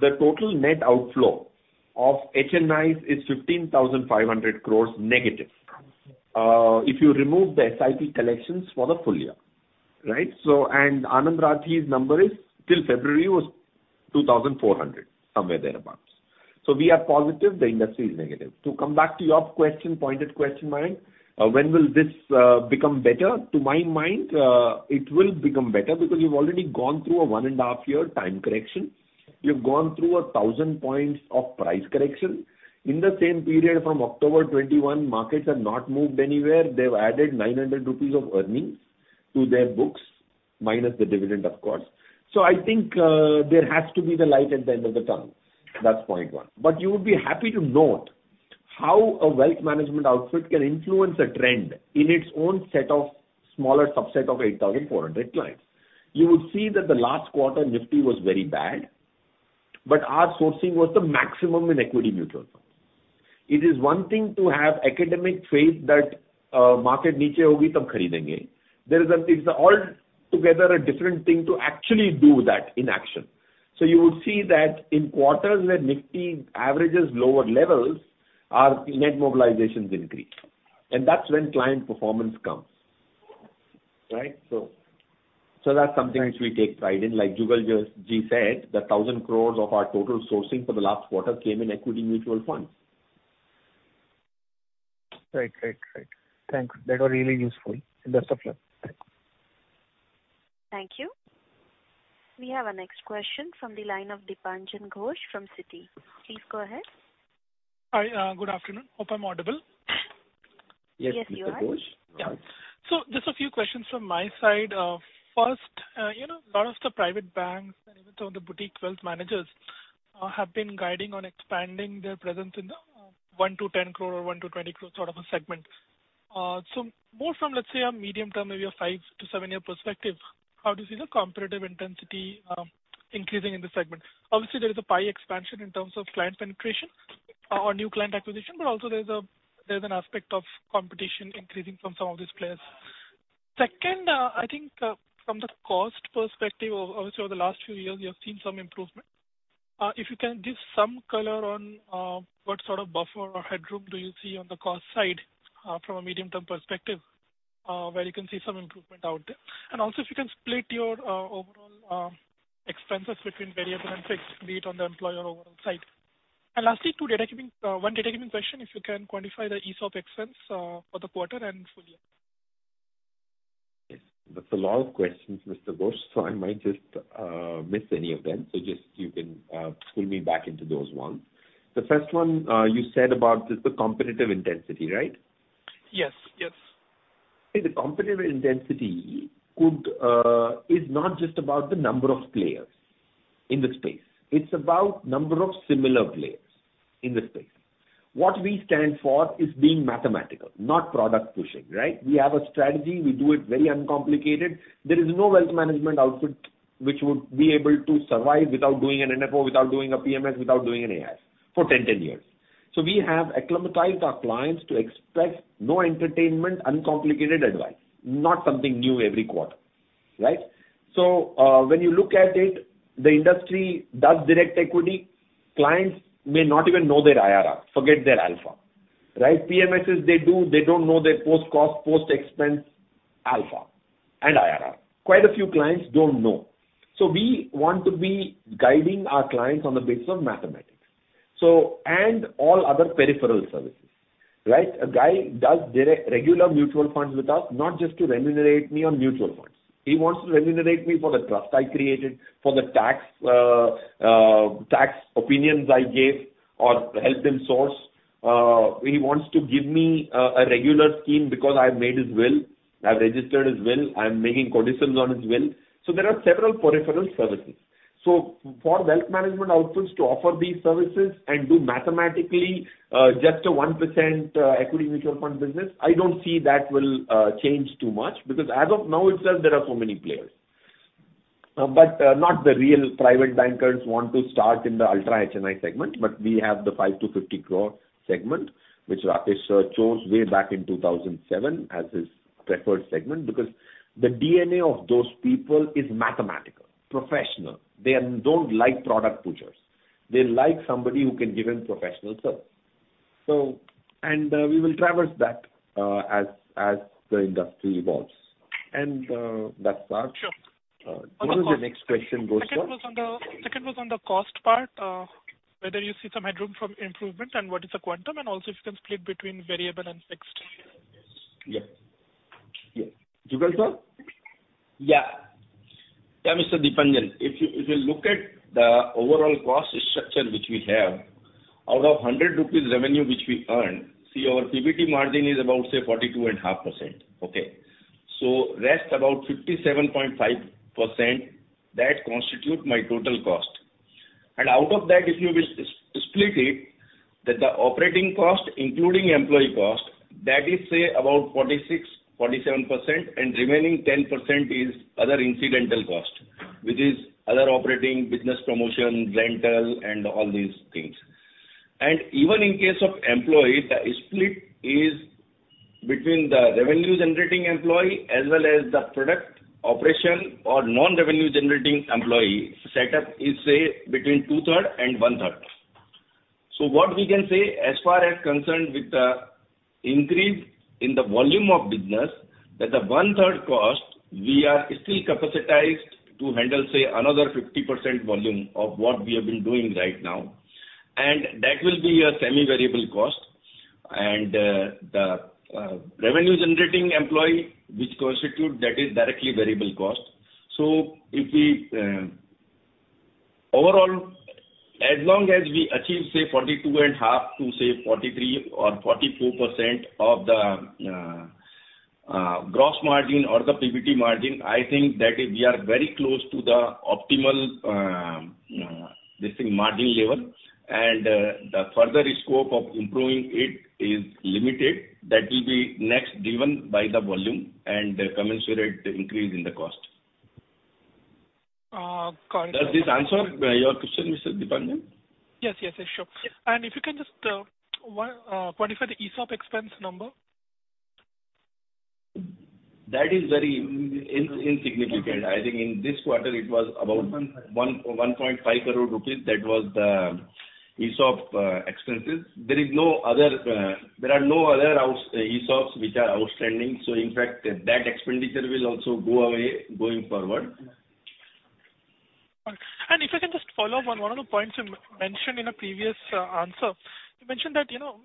the total net outflow of HNIs is 15,500 crores negative. If you remove the SIP collections for the full year, right? Anand Rathi's number is, till February, was 2,400, somewhere thereabouts. We are positive the industry is negative. To come back to your question, pointed question, Mayank, when will this become better? To my mind, it will become better because you've already gone through a one and a half year time correction. You've gone through 1,000 points of price correction. In the same period from October 2021, markets have not moved anywhere. They've added 900 rupees of earnings to their books, minus the dividend of course. I think, there has to be the light at the end of the tunnel. That's point one. You would be happy to note how a wealth management outfit can influence a trend in its own set of smaller subset of 8,400 clients. You would see that the last quarter NIFTY was very bad, but our sourcing was the maximum in equity mutual funds. It is one thing to have academic faith that, market. There is It's altogether a different thing to actually do that in action. You would see that in quarters where NIFTY averages lower levels, our net mobilizations increase. That's when client performance comes. Right? So that's something which we take pride in. Like Jugal ji said, the 1,000 crores of our total sourcing for the last quarter came in equity mutual funds. Right. Right. Right. Thank you. That was really useful. Best of luck. Thank you. We have our next question from the line of Dipanjan Ghosh from Citi. Please go ahead. Hi. Good afternoon. Hope I'm audible. Yes, you are. Yes, Mr. Ghosh. Just a few questions from my side. First, you know, a lot of the private banks and even some of the boutique wealth managers have been guiding on expanding their presence in the 1 to 10 crore or 1 to 20 crore sort of a segment. More from, let's say, a medium-term, maybe a five-year to seven-year perspective, how do you see the competitive intensity increasing in the segment? Obviously, there is a pie expansion in terms of client penetration or new client acquisition, also there's an aspect of competition increasing from some of these players. Second, I think, from the cost perspective, also over the last few years, we have seen some improvement. If you can give some color on what sort of buffer or headroom do you see on the cost side from a medium-term perspective, where you can see some improvement out there? Also, if you can split your overall expenses between variable and fixed, be it on the employee or overall side? Lastly, one data giving question, if you can quantify the ESOP expense for the quarter and full year? Yes. That's a lot of questions, Mr. Ghosh, so I might just miss any of them. Just you can pull me back into those ones. The first one, you said about just the competitive intensity, right? Yes. Yes. The competitive intensity could is not just about the number of players in the space. It's about number of similar players in the space. What we stand for is being mathematical, not product pushing, right? We have a strategy. We do it very uncomplicated. There is no wealth management outfit which would be able to survive without doing an NFO, without doing a PMS, without doing an AIS for 10 years. We have acclimatized our clients to expect no entertainment, uncomplicated advice, not something new every quarter, right? When you look at it, the industry does direct equity. Clients may not even know their IRR, forget their alpha, right? PMSes, they do. They don't know their post-cost, post-expense alpha and IRR. Quite a few clients don't know. We want to be guiding our clients on the basis of mathematics. And all other peripheral services, right? A guy does direct regular mutual funds with us, not just to remunerate me on mutual funds. He wants to remunerate me for the trust I created, for the tax tax opinions I gave or helped him source. He wants to give me a regular scheme because I made his will. I've registered his will. I'm making codicils on his will. There are several peripheral services. For wealth management outputs to offer these services and do mathematically just a 1% equity mutual fund business, I don't see that will change too much because as of now itself, there are so many players. not the real private bankers want to start in the ultra HNI segment, but we have the 5 crore-50 crore segment, which Rakesh chose way back in 2007 as his preferred segment because the DNA of those people is mathematical, professional. They don't like product pushers. They like somebody who can give them professional service. we will traverse that as the industry evolves. that's that. Sure. What was your next question, Ghosh sir? Second was on the cost part, whether you see some headroom from improvement and what is the quantum, and also if you can split between variable and fixed? Yeah. Yeah. Jugal sir? Yeah. Yeah, Mr. Dipanjan. If you, if you look at the overall cost structure which we have, out of 100 rupees revenue which we earn, see our PBT margin is about, say, 42.5%. Okay? Rest about 57.5%, that constitute my total cost. Out of that, if you will split it, that the operating cost, including employee cost, that is, say, about 46%-47%, and remaining 10% is other incidental cost, which is other operating, business promotion, rentals, and all these things. Even in case of employee, the split is between the revenue-generating employee as well as the product operation or non-revenue generating employee setup is, say, between 2/3 and 1/3. What we can say as far as concerned with the increase in the volume of business, that the one-third cost, we are still capacitized to handle, say, another 50% volume of what we have been doing right now. That will be a semi-variable cost. The revenue-generating employee which constitute that is directly variable cost. If we Overall, as long as we achieve, say, 42% and half to, say, 43% or 42% of the gross margin or the PBT margin, I think that is we are very close to the optimal, let's say, margin level. The further scope of improving it is limited. That will be next driven by the volume and the commensurate increase in the cost. Got it. Does this answer your question, Mr. Dipanjan? Yes, yes. Sure. If you can just quantify the ESOP expense number? That is very insignificant. I think in this quarter it was about 1.5 crore rupees. That was the ESOP expenses. There is no other, there are no other ESOPs which are outstanding. In fact, that expenditure will also go away going forward. If you can just follow up on one of the points you mentioned in a previous answer. You mentioned that, you know,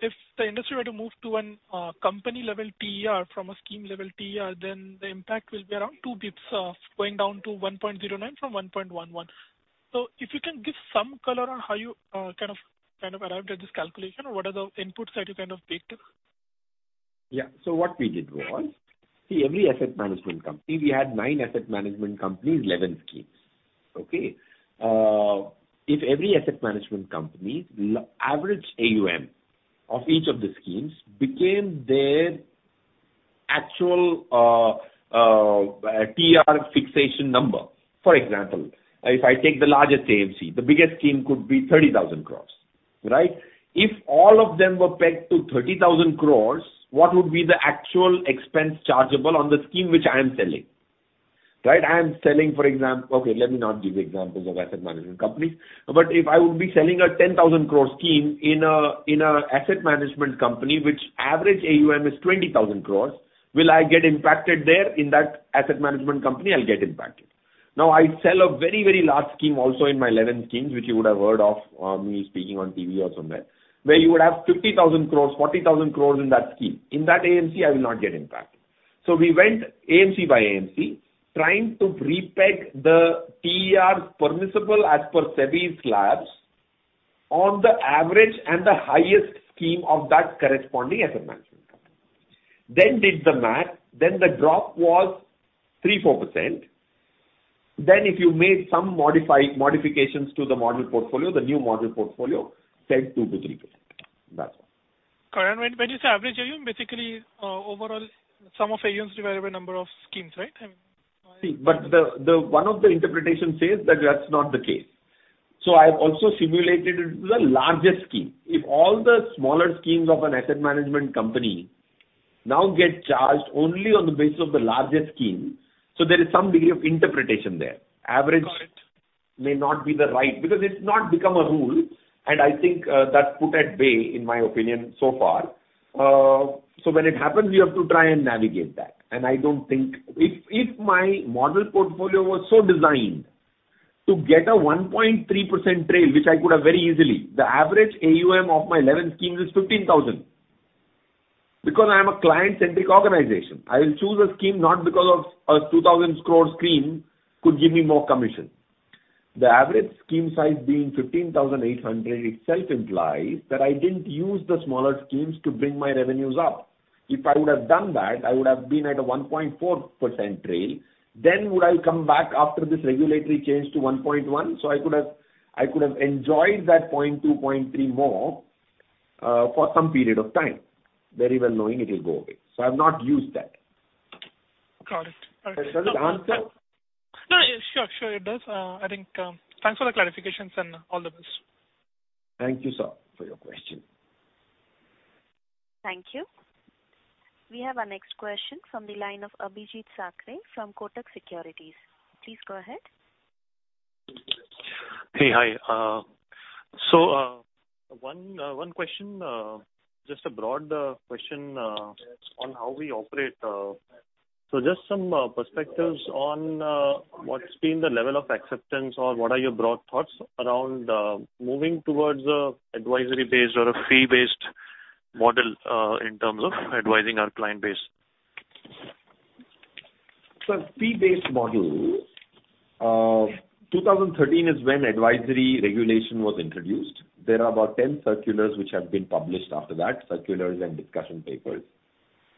if the industry were to move to an company level TER from a scheme level TER, then the impact will be around 2 basis points going down to 1.09% from 1.11%. If you can give some color on how you kind of arrived at this calculation or what are the inputs that you kind of baked in. Yeah. What we did, Rohan. See every asset management company, we had nine asset management companies, 11 schemes. Okay? If every asset management company average AUM of each of the schemes became their actual TER fixation number. For example, if I take the largest AMC, the biggest scheme could be 30,000 crores, right? If all of them were pegged to 30,000 crores, what would be the actual expense chargeable on the scheme which I am selling, right? I am selling, okay, let me not give you examples of asset management companies. If I would be selling a 10,000 crore scheme in a asset management company which average AUM is 20,000 crores, will I get impacted there in that asset management company? I'll get impacted. I sell a very, very large scheme also in my 11 schemes, which you would have heard of me speaking on TV or somewhere, where you would have 50,000 crores, 40,000 crores in that scheme. In that AMC, I will not get impacted. We went AMC by AMC trying to re-peg the TER permissible as per SEBI slabs on the average and the highest scheme of that corresponding asset management company. Did the math, the drop was 3%-4%. If you made some modifications to the model portfolio, the new model portfolio said 2%-3%. That's all. Karan, when you say average AUM, basically, overall sum of AUMs divided by number of schemes, right? I mean. See, the one of the interpretation says that that's not the case. I've also simulated it to the largest scheme. If all the smaller schemes of an asset management company now get charged only on the basis of the largest scheme. There is some degree of interpretation there. Got it. May not be the right because it's not become a rule and I think, that's put at bay, in my opinion, so far. When it happens, we have to try and navigate that. I don't think. If my model portfolio was so designed to get a 1.3% trail, which I could have very easily, the average AUM of my 11 schemes is 15,000. Because I am a client-centric organization, I will choose a scheme not because of a 2,000 crores scheme could give me more commission. The average scheme size being 15,800 itself implies that I didn't use the smaller schemes to bring my revenues up. If I would have done that, I would have been at a 1.4% trail. Would I come back after this regulatory change to 1.1%? I could have enjoyed that 0.2%, 0.3% more for some period of time, very well knowing it will go away. I've not used that. Got it. Okay. Does it answer? No. Sure, sure it does. I think, Thanks for the clarifications and all the best. Thank you, sir, for your question. Thank you. We have our next question from the line of Abhijeet Sakhare from Kotak Securities. Please go ahead. Hey. Hi. One question, just a broad question, on how we operate. Just some perspectives on, what's been the level of acceptance or what are your broad thoughts around, moving towards a advisory based or a fee based model, in terms of advising our client base? Fee-based model, 2013 is when advisory regulation was introduced. There are about 10 circulars which have been published after that, circulars and discussion papers.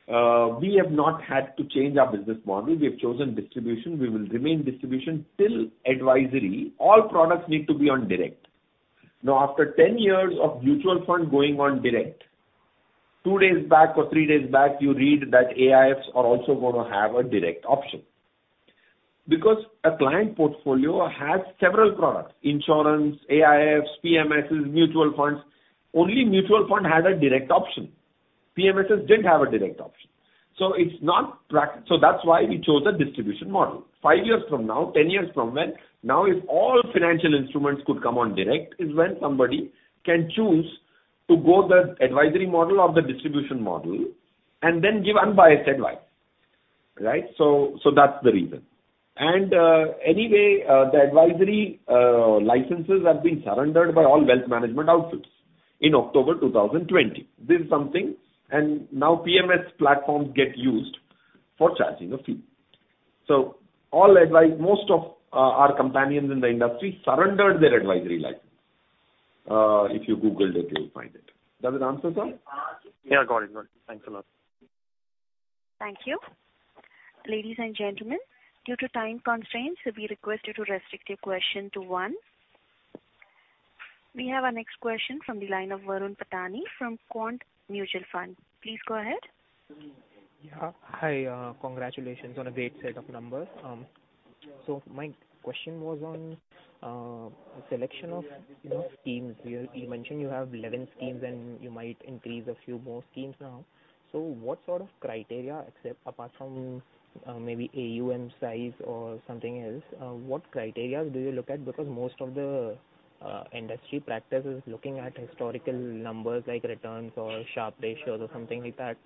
We have not had to change our business model. We have chosen distribution. We will remain distribution till advisory. All products need to be on direct. Now, after 10 years of mutual fund going on direct, two days back or three days back, you read that AIFs are also gonna have a direct option. A client portfolio has several products insurance, AIFs, PMSs, mutual funds. Only mutual fund had a direct option. PMSs didn't have a direct option. So that's why we chose a distribution model. 5 years from now, 10 years from now if all financial instruments could come on direct, is when somebody can choose to go the advisory model or the distribution model and then give unbiased advice, right? That's the reason. Anyway, the advisory licenses have been surrendered by all wealth management outfits in October 2020. This is something. Now PMS platforms get used for charging a fee. All most of our companions in the industry surrendered their advisory license. If you Googled it, you'll find it. Does it answer, sir? Yeah. Got it. Thanks a lot. Thank you. Ladies and gentlemen, due to time constraints, we request you to restrict your question to one. We have our next question from the line of Varun Pattani from quant Mutual Fund. Please go ahead. Yeah. Hi, congratulations on a great set of numbers. My question was on selection of, you know, schemes. You mentioned you have 11 schemes and you might increase a few more schemes now. What sort of criteria except apart from maybe AUM size or something else, what criteria do you look at? Because most of the industry practice is looking at historical numbers like returns or Sharpe ratios or something like that.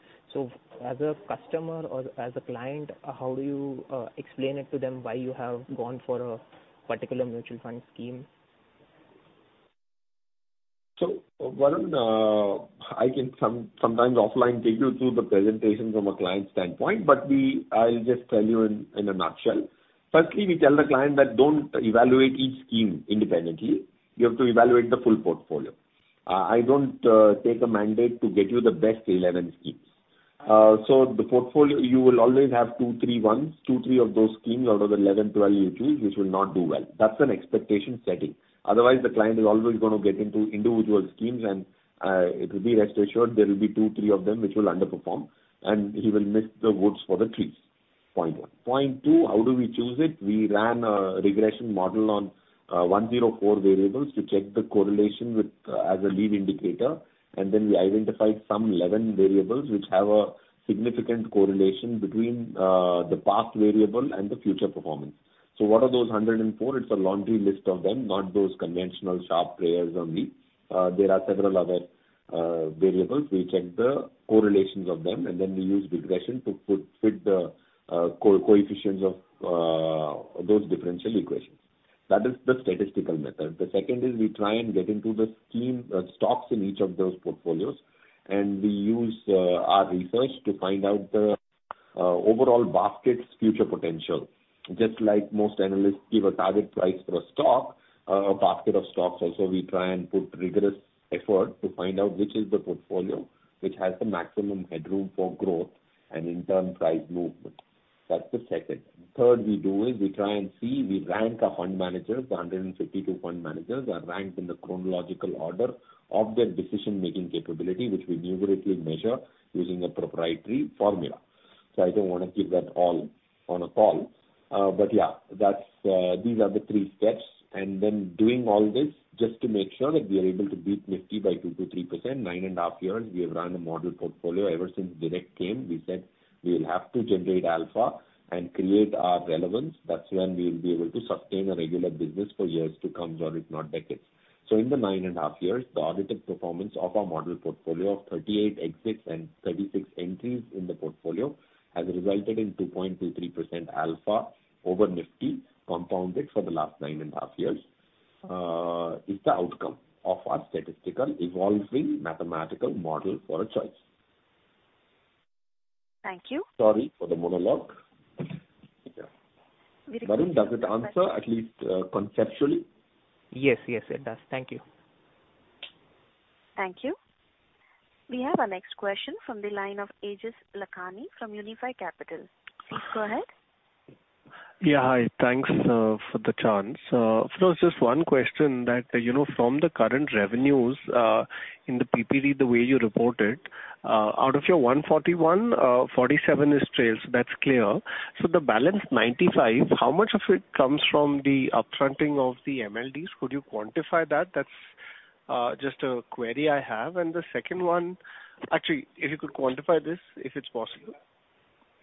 As a customer or as a client, how do you explain it to them why you have gone for a particular mutual fund scheme? Varun, I can sometimes offline take you through the presentation from a client standpoint, but I'll just tell you in a nutshell. Firstly, we tell the client that don't evaluate each scheme independently. You have to evaluate the full portfolio. I don't take a mandate to get you the best 11 schemes. The portfolio, you will always have two, three ones. Two, three of those schemes out of the 11, 12 you choose, which will not do well. That's an expectation setting. Otherwise, the client is always gonna get into individual schemes and it'll be rest assured there will be two, three of them which will underperform, and he will miss the woods for the trees. Point 1. Point 2, how do we choose it? We ran a regression model on 104 variables to check the correlation with as a lead indicator. We identified some 11 variables which have a significant correlation between the past variable and the future performance. What are those 104 variables? It's a laundry list of them, not those conventional sharp players only. There are several other variables. We check the correlations of them, and then we use regression to put-fit the co-coefficients of those differential equations. That is the statistical method. The second is we try and get into the scheme stocks in each of those portfolios, and we use our research to find out the overall basket's future potential. Just like most analysts give a target price for a stock, a basket of stocks also we try and put rigorous effort to find out which is the portfolio which has the maximum headroom for growth and in turn price movement. That's the second. Third, we do is we try and see, we rank our fund managers. The 152 fund managers are ranked in the chronological order of their decision-making capability, which we numerically measure using a proprietary formula. I don't wanna give that all on a call. Yeah, that's these are the three steps. Then doing all this just to make sure that we are able to beat NIFTY by 2%-3%. Nine and a half years we have run a model portfolio. Ever since direct came, we said we will have to generate alpha and create our relevance. That's when we will be able to sustain a regular business for years to come, or if not decades. In the 9.5 years, the audited performance of our model portfolio of 38 exits and 36 entries in the portfolio has resulted in 2.23% alpha over NIFTY compounded for the last 9.5 years, is the outcome of our statistical evolving mathematical model for a choice. Thank you. Sorry for the monologue. We require- Varun, does it answer at least, conceptually? Yes. Yes, it does. Thank you. Thank you. We have our next question from the line of Aejas Lakhani from Unifi Capital. Please go ahead. Yeah. Hi. Thanks for the chance. Just one question that, you know, from the current revenues in the PPD, the way you report it, out of your 141, 47 is trails, that's clear. The balance 95, how much of it comes from the up-fronting of the MLDs? Could you quantify that? That's just a query I have. The second one. Actually, if you could quantify this, if it's possible.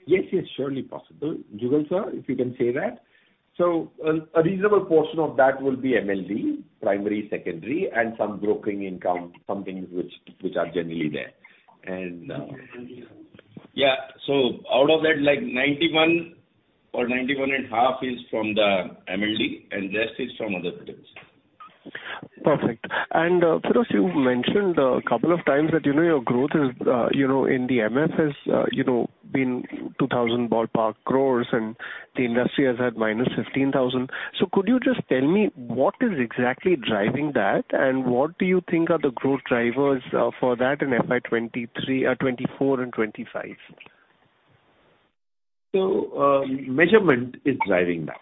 Yes, yes. Surely possible. Jugal sir, if you can say that. A reasonable portion of that will be MLD, primary, secondary, and some broking income, some things which are generally there. Yeah. Out of that, like 91 or 91 and half is from the MLD and rest is from other trails. Perfect. Feroze, you mentioned a couple of times that, you know, your growth is, you know, in the MF has, you know, been 2,000 ballpark crores and the industry has had minus 15,000. Could you just tell me what is exactly driving that? What do you think are the growth drivers for that in FY 2023, 2024 and 2025? Measurement is driving that.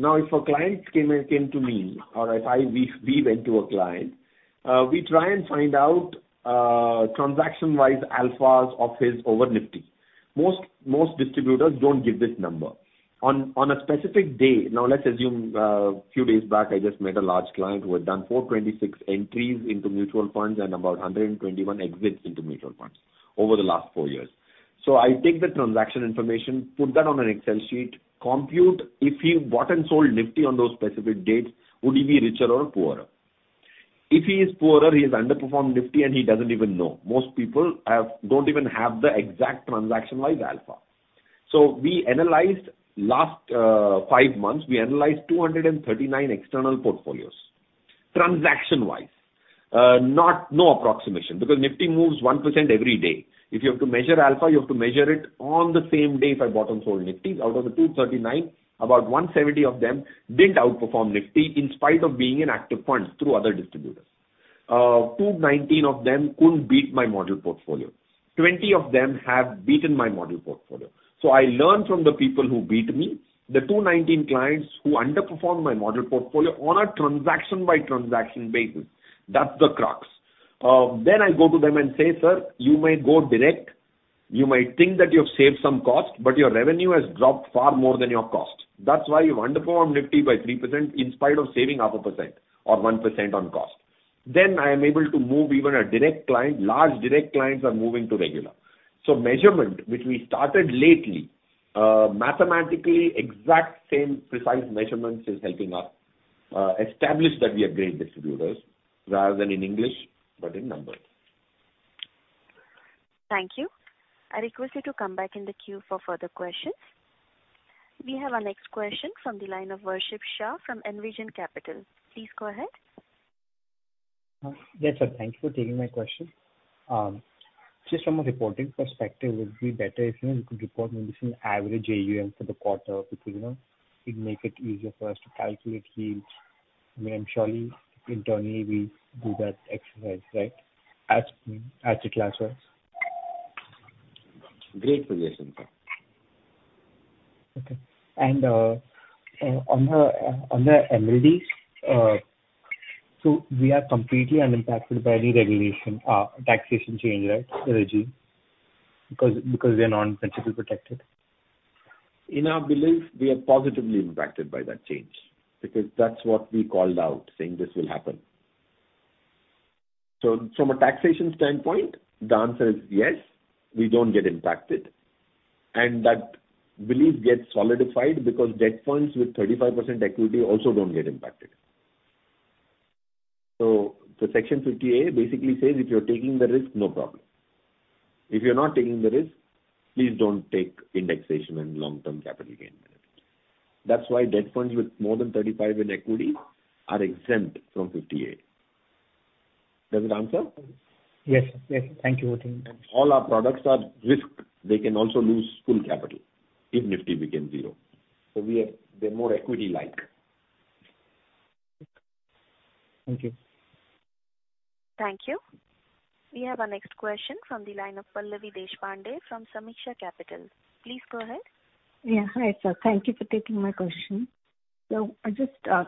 If a client came to me or if we went to a client, we try and find out transaction-wise alphas of his over NIFTY. Most distributors don't give this number. On a specific day. Let's assume, few days back, I just met a large client who had done 426 entries into mutual funds and about 121 exits into mutual funds over the last four years. I take the transaction information, put that on an Excel sheet, compute if he bought and sold NIFTY on those specific dates, would he be richer or poorer? If he is poorer, he has underperformed NIFTY, and he doesn't even know. Most people don't even have the exact transaction-wide alpha. We analyzed last five months. We analyzed 239 external portfolios, transaction-wise. no approximation, because NIFTY moves 1% every day. If you have to measure alpha, you have to measure it on the same day if I bought and sold NIFTY. Out of the 239, about 170 of them didn't outperform NIFTY in spite of being in active funds through other distributors. 219 of them couldn't beat my model portfolio. 20 of them have beaten my model portfolio. I learn from the people who beat me. The 219 clients who underperformed my model portfolio on a transaction-by-transaction basis, that's the crux. I go to them and say, "Sir, you may go direct. You might think that you have saved some cost, but your revenue has dropped far more than your cost. That's why you've underperformed NIFTY by 3% in spite of saving half a % or 1% on cost. I am able to move even a direct client. Large direct clients are moving to regular. Measurement, which we started lately, mathematically exact same precise measurements is helping us establish that we are great distributors, rather than in English, but in numbers. Thank you. I request you to come back in the queue for further questions. We have our next question from the line of Varshil Shah from Envision Capital. Please go ahead. Yes, sir. Thank you for taking my question. Just from a reporting perspective, would it be better if, you know, you could report maybe some average AUM for the quarter? Because, you know, it'd make it easier for us to calculate yields. I mean, surely internally we do that exercise, right? As a class wise. Great suggestion, sir. Okay. On the MLDs, so we are completely unimpacted by any regulation, taxation change, right? Regime. Because they're non-principal protected. In our belief we are positively impacted by that change because that's what we called out saying this will happen. From a taxation standpoint, the answer is yes, we don't get impacted. That belief gets solidified because debt funds with 35% equity also don't get impacted. The Section 50A basically says if you're taking the risk, no problem. If you're not taking the risk, please don't take indexation and long-term capital gain benefits. That's why debt funds with more than 35% in equity are exempt from The Section 50A. Does it answer? Yes. Thank you for taking my question. All our products are risked. They can also lose full capital if NIFTY becomes zero. They're more equity-like. Thank you. Thank you. We have our next question from the line of Pallavi Deshpande from Sameeksha Capital. Please go ahead. Yeah. Hi, sir. Thank you for taking my question. Just a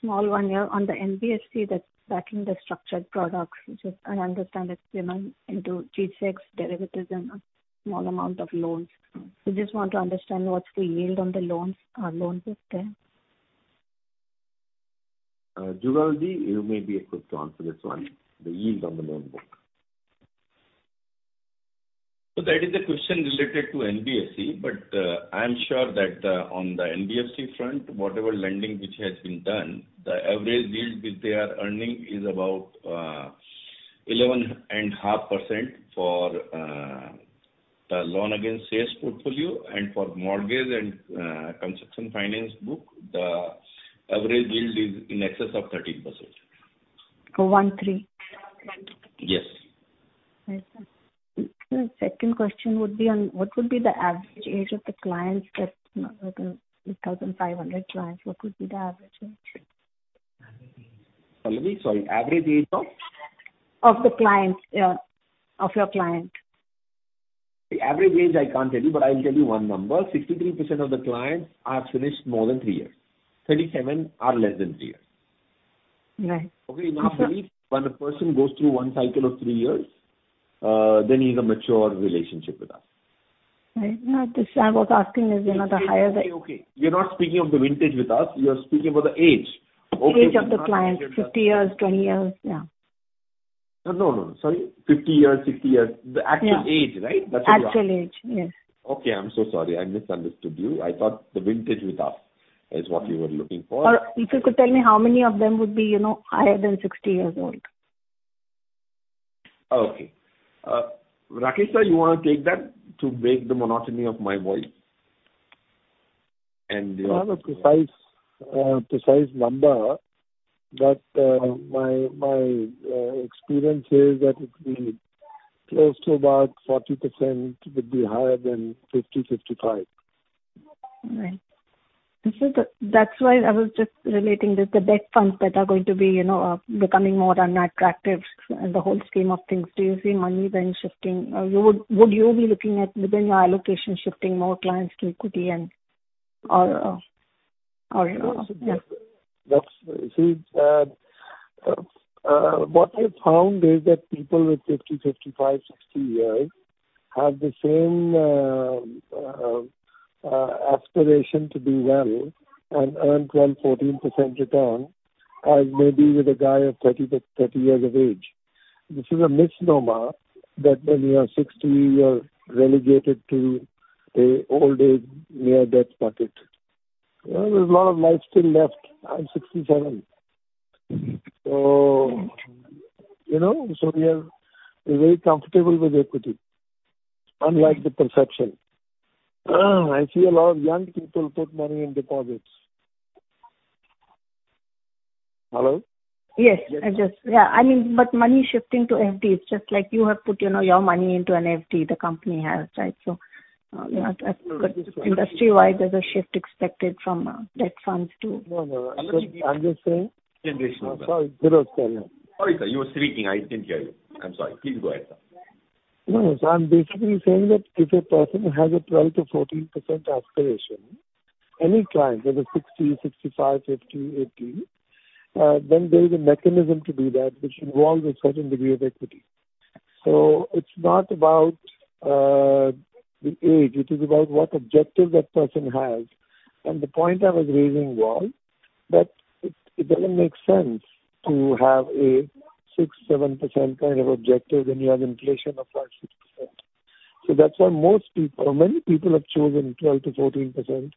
small one here on the NBFC that's backing the structured products. Just I understand it's, you know, into G-Secs, derivatives and a small amount of loans. Just want to understand what's the yield on the loans, loan book there. Jugal ji, you may be able to answer this one, the yield on the loan book. That is a question related to NBFC, but, I'm sure that on the NBFC front, whatever lending which has been done, the average yield which they are earning is about 11.5% for the loan against sales portfolio and for mortgage and construction finance book, the average yield is in excess of 13%. Oh, 13%? Yes. Right. Sir, second question would be on what would be the average age of the clients that, the 3,500 clients, what would be the average age? Pallavi, sorry. Average age of? Of the clients. Yeah, of your client. The average age I can't tell you, but I'll tell you one number. 63% of the clients are finished more than three years. 37% are less than three years. Right. Okay. In our belief when a person goes through one cycle of three years, then he's a mature relationship with us. Right. No, I was asking is, you know, the higher. Okay. Okay. You're not speaking of the vintage with us, you are speaking about the age. Okay. The age of the client. 50 years, 20 years? Yeah. No, no. Sorry. 50 years, 60 years. Yeah. The actual age, right? That's what you're asking. Actual age. Yes. Okay. I'm so sorry. I misunderstood you. I thought the vintage with us is what you were looking for. If you could tell me how many of them would be, you know, higher than 60 years old? Okay. Rakesh Sir, you wanna take that to break the monotony of my voice? I don't have a precise number, but my experience says that it'll be close to about 40% would be higher than 50 years, 55 years. Right. That's why I was just relating that the debt funds that are going to be, you know, becoming more unattractive in the whole scheme of things. Do you see money then shifting or Would you be looking at within your allocation shifting more clients to equity and or, you know, yeah? That's what I found is that people with 50 years, 55 years, 60 years have the same aspiration to do well and earn 12%, 14% return as maybe with a guy of 30 years of age. This is a misnomer that when you are 60 years, you are relegated to a old age near death bucket. You know, there's a lot of life still left. I'm 67 years. You know, we are, we're very comfortable with equity, unlike the perception. I see a lot of young people put money in deposits. Hello? Yes. Yes. Yeah. I mean, but money shifting to FD, it's just like you have put, you know, your money into an FD, the company has, right? You know, but industry-wide there's a shift expected from debt funds to. No, no, I'm looking. I'm just saying. Generational. Sorry. Sorry, sir. You were speaking. I didn't hear you. I'm sorry. Please go ahead, sir. I'm basically saying that if a person has a 12%-14% aspiration, any client, whether 60 years, 65 years, 50 years, 80 years, then there is a mechanism to do that which involves a certain degree of equity. It's not about the age, it is about what objective that person has. The point I was raising was that it doesn't make sense to have a 6%, 7% kind of objective when you have inflation of 5%, 6%. That's why most people or many people have chosen 12%-14%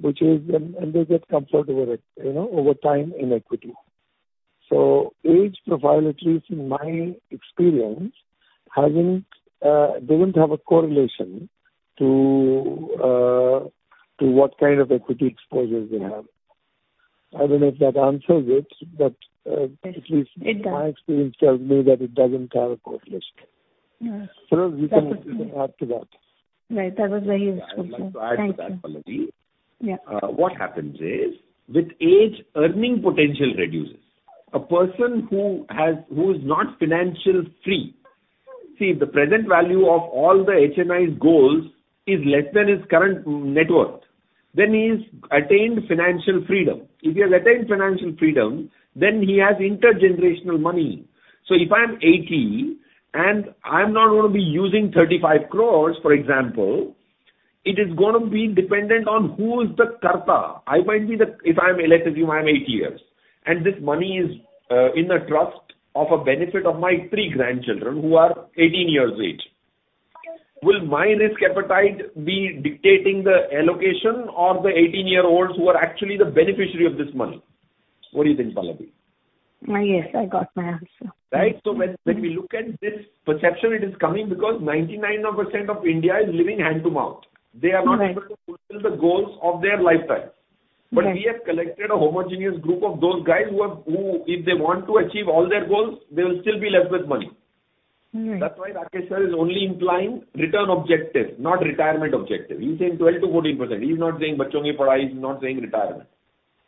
which is... They get comfort over it, you know, over time in equity. Age profile, at least in my experience, hasn't doesn't have a correlation to what kind of equity exposure they have. I don't know if that answers it. It does. At least my experience tells me that it doesn't have a correlation. Yes. Suraj, you can add to that. Right. That was very useful, sir. Thank you. I'd like to add to that, Pallavi. Yeah. What happens is with age, earning potential reduces. A person who's not financial free. If the present value of all the HNI's goals is less than his current net worth, then he's attained financial freedom. If he has attained financial freedom, then he has intergenerational money. If I'm 80 years and I'm not gonna be using 35 crores, for example, it is gonna be dependent on who is the Karta. If I'm electee, I'm 80 years, and this money is in the trust of a benefit of my three grandchildren who are 18 years each. Will my risk appetite be dictating the allocation or the 18-year-olds who are actually the beneficiary of this money? What do you think, Pallavi? Yes, I got my answer. Right. When we look at this perception, it is coming because 99% of India is living hand-to-mouth. Right. They are not able to fulfill the goals of their lifetime. Right. We have collected a homogeneous group of those guys who if they want to achieve all their goals, they will still be left with money. Right. That's why Rakesh sir is only implying return objective, not retirement objective. He's saying 12%-14%. He's not saying retirement.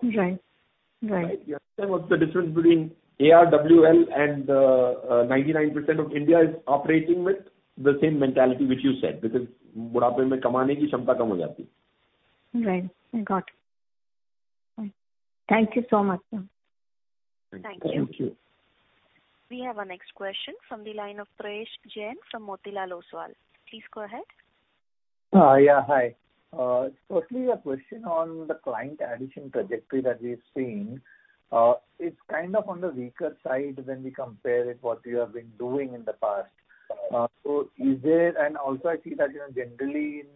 Right. Right. You understand what's the difference between ARWL and 99% of India is operating with the same mentality which you said because Right. I got. Thank you so much, sir. Thank you. Thank you. We have our next question from the line of Prayesh Jain from Motilal Oswal. Please go ahead. Yeah, hi. Firstly, a question on the client addition trajectory that we're seeing. It's kind of on the weaker side when we compare it what you have been doing in the past. Is there... Also I see that, you know, generally in,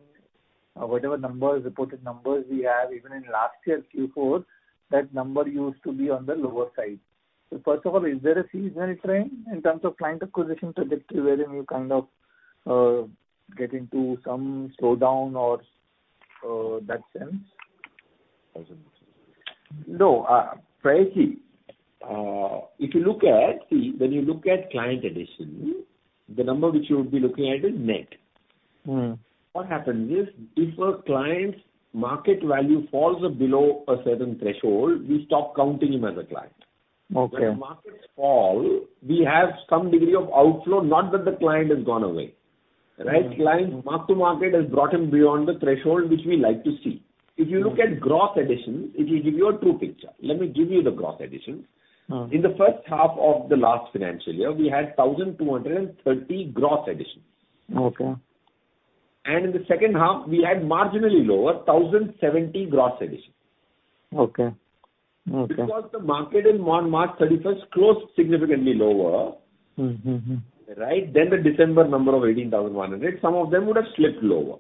whatever numbers, reported numbers we have, even in last year's Q4, that number used to be on the lower side. First of all, is there a seasonal trend in terms of client acquisition trajectory wherein you kind of, get into some slowdown or that sense? No. Prayesh, if you look at client addition, the number which you would be looking at is net. Mm. What happens is if a client's market value falls below a certain threshold, we stop counting him as a client. Okay. When markets fall, we have some degree of outflow, not that the client has gone away, right? Mm-hmm. Client mark to market has brought him beyond the threshold which we like to see. If you look at gross addition, it will give you a true picture. Let me give you the gross addition. Mm. In the first half of the last financial year, we had 1,230 gross additions. Okay. In the second half we had marginally lower, 1,070 gross additions. Okay. Okay. The market on March 31st closed significantly lower. Mm-hmm. Right? Than the December number of 18,100, some of them would have slipped lower.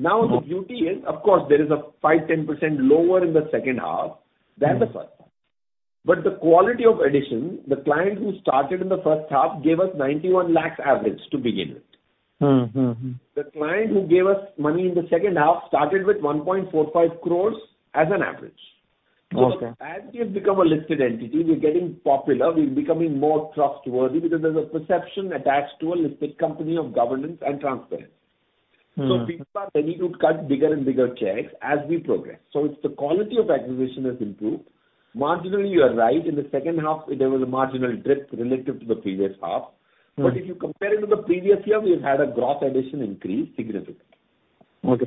Okay. The beauty is, of course, there is a 5%, 10% lower in the second half than the first half. The quality of addition, the client who started in the first half gave us 91 lakhs average to begin with. Mm-hmm. The client who gave us money in the second half started with 1.45 crores as an average. Okay. As we have become a listed entity, we're getting popular, we're becoming more trustworthy because there's a perception attached to a listed company of governance and transparency. Mm. People are ready to cut bigger and bigger checks as we progress. It's the quality of acquisition has improved. Marginally, you are right. In the second half, there was a marginal drift relative to the previous half. Mm. If you compare it to the previous year, we've had a gross addition increase significantly. Okay.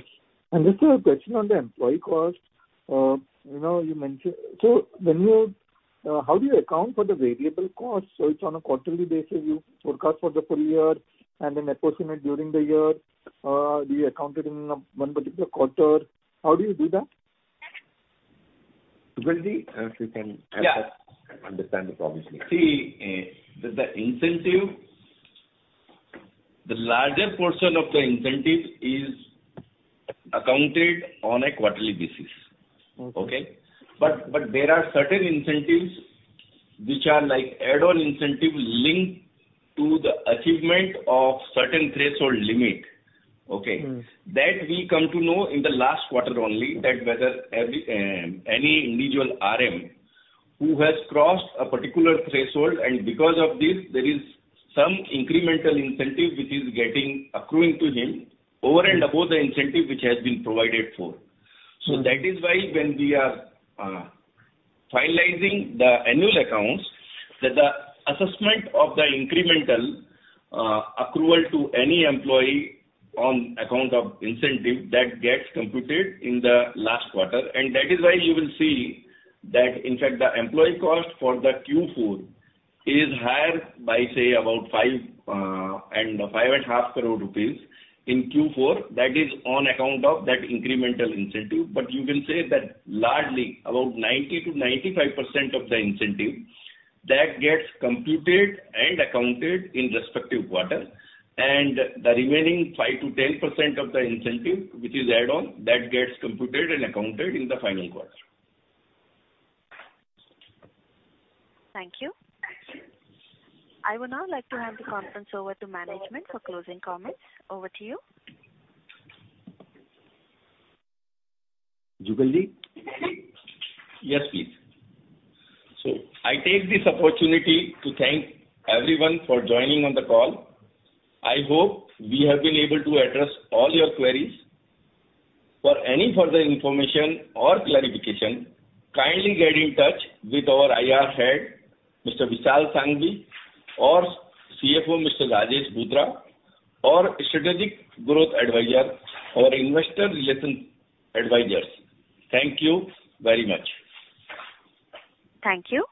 Just a question on the employee cost. You know, how do you account for the variable cost? It's on a quarterly basis, you forecast for the full year and then approximate during the year. Do you account it in one particular quarter? How do you do that? Jugal ji, if you... Yeah. I can understand the problem he's facing. See, the incentive, the larger portion of the incentive is accounted on a quarterly basis. Okay. Okay? There are certain incentives which are like add-on incentive linked to the achievement of certain threshold limit. Okay? Mm. We come to know in the last quarter only that whether every any individual RM who has crossed a particular threshold and because of this there is some incremental incentive which is getting accruing to him over and above the incentive which has been provided for. Mm. That is why when we are finalizing the annual accounts, the assessment of the incremental accrual to any employee on account of incentive that gets computed in the last quarter. That is why you will see that in fact the employee cost for the Q4 is higher by, say, about 5 and half crore in Q4. That is on account of that incremental incentive. You can say that largely about 90%-95% of the incentive that gets computed and accounted in respective quarter and the remaining 5%-10% of the incentive, which is add-on, that gets computed and accounted in the final quarter. Thank you. I would now like to hand the conference over to management for closing comments. Over to you. Jugal ji. Yes, please. I take this opportunity to thank everyone for joining on the call. I hope we have been able to address all your queries. For any further information or clarification, kindly get in touch with our IR head, Mr. Vishal Sanghavi or CFO, Mr. Rajesh Bhutra or Strategic Growth Advisors or investor relation advisors. Thank you very much. Thank you.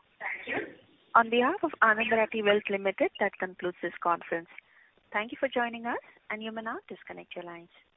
On behalf of Anand Rathi Wealth Limited, that concludes this conference. Thank you for joining us, and you may now disconnect your lines.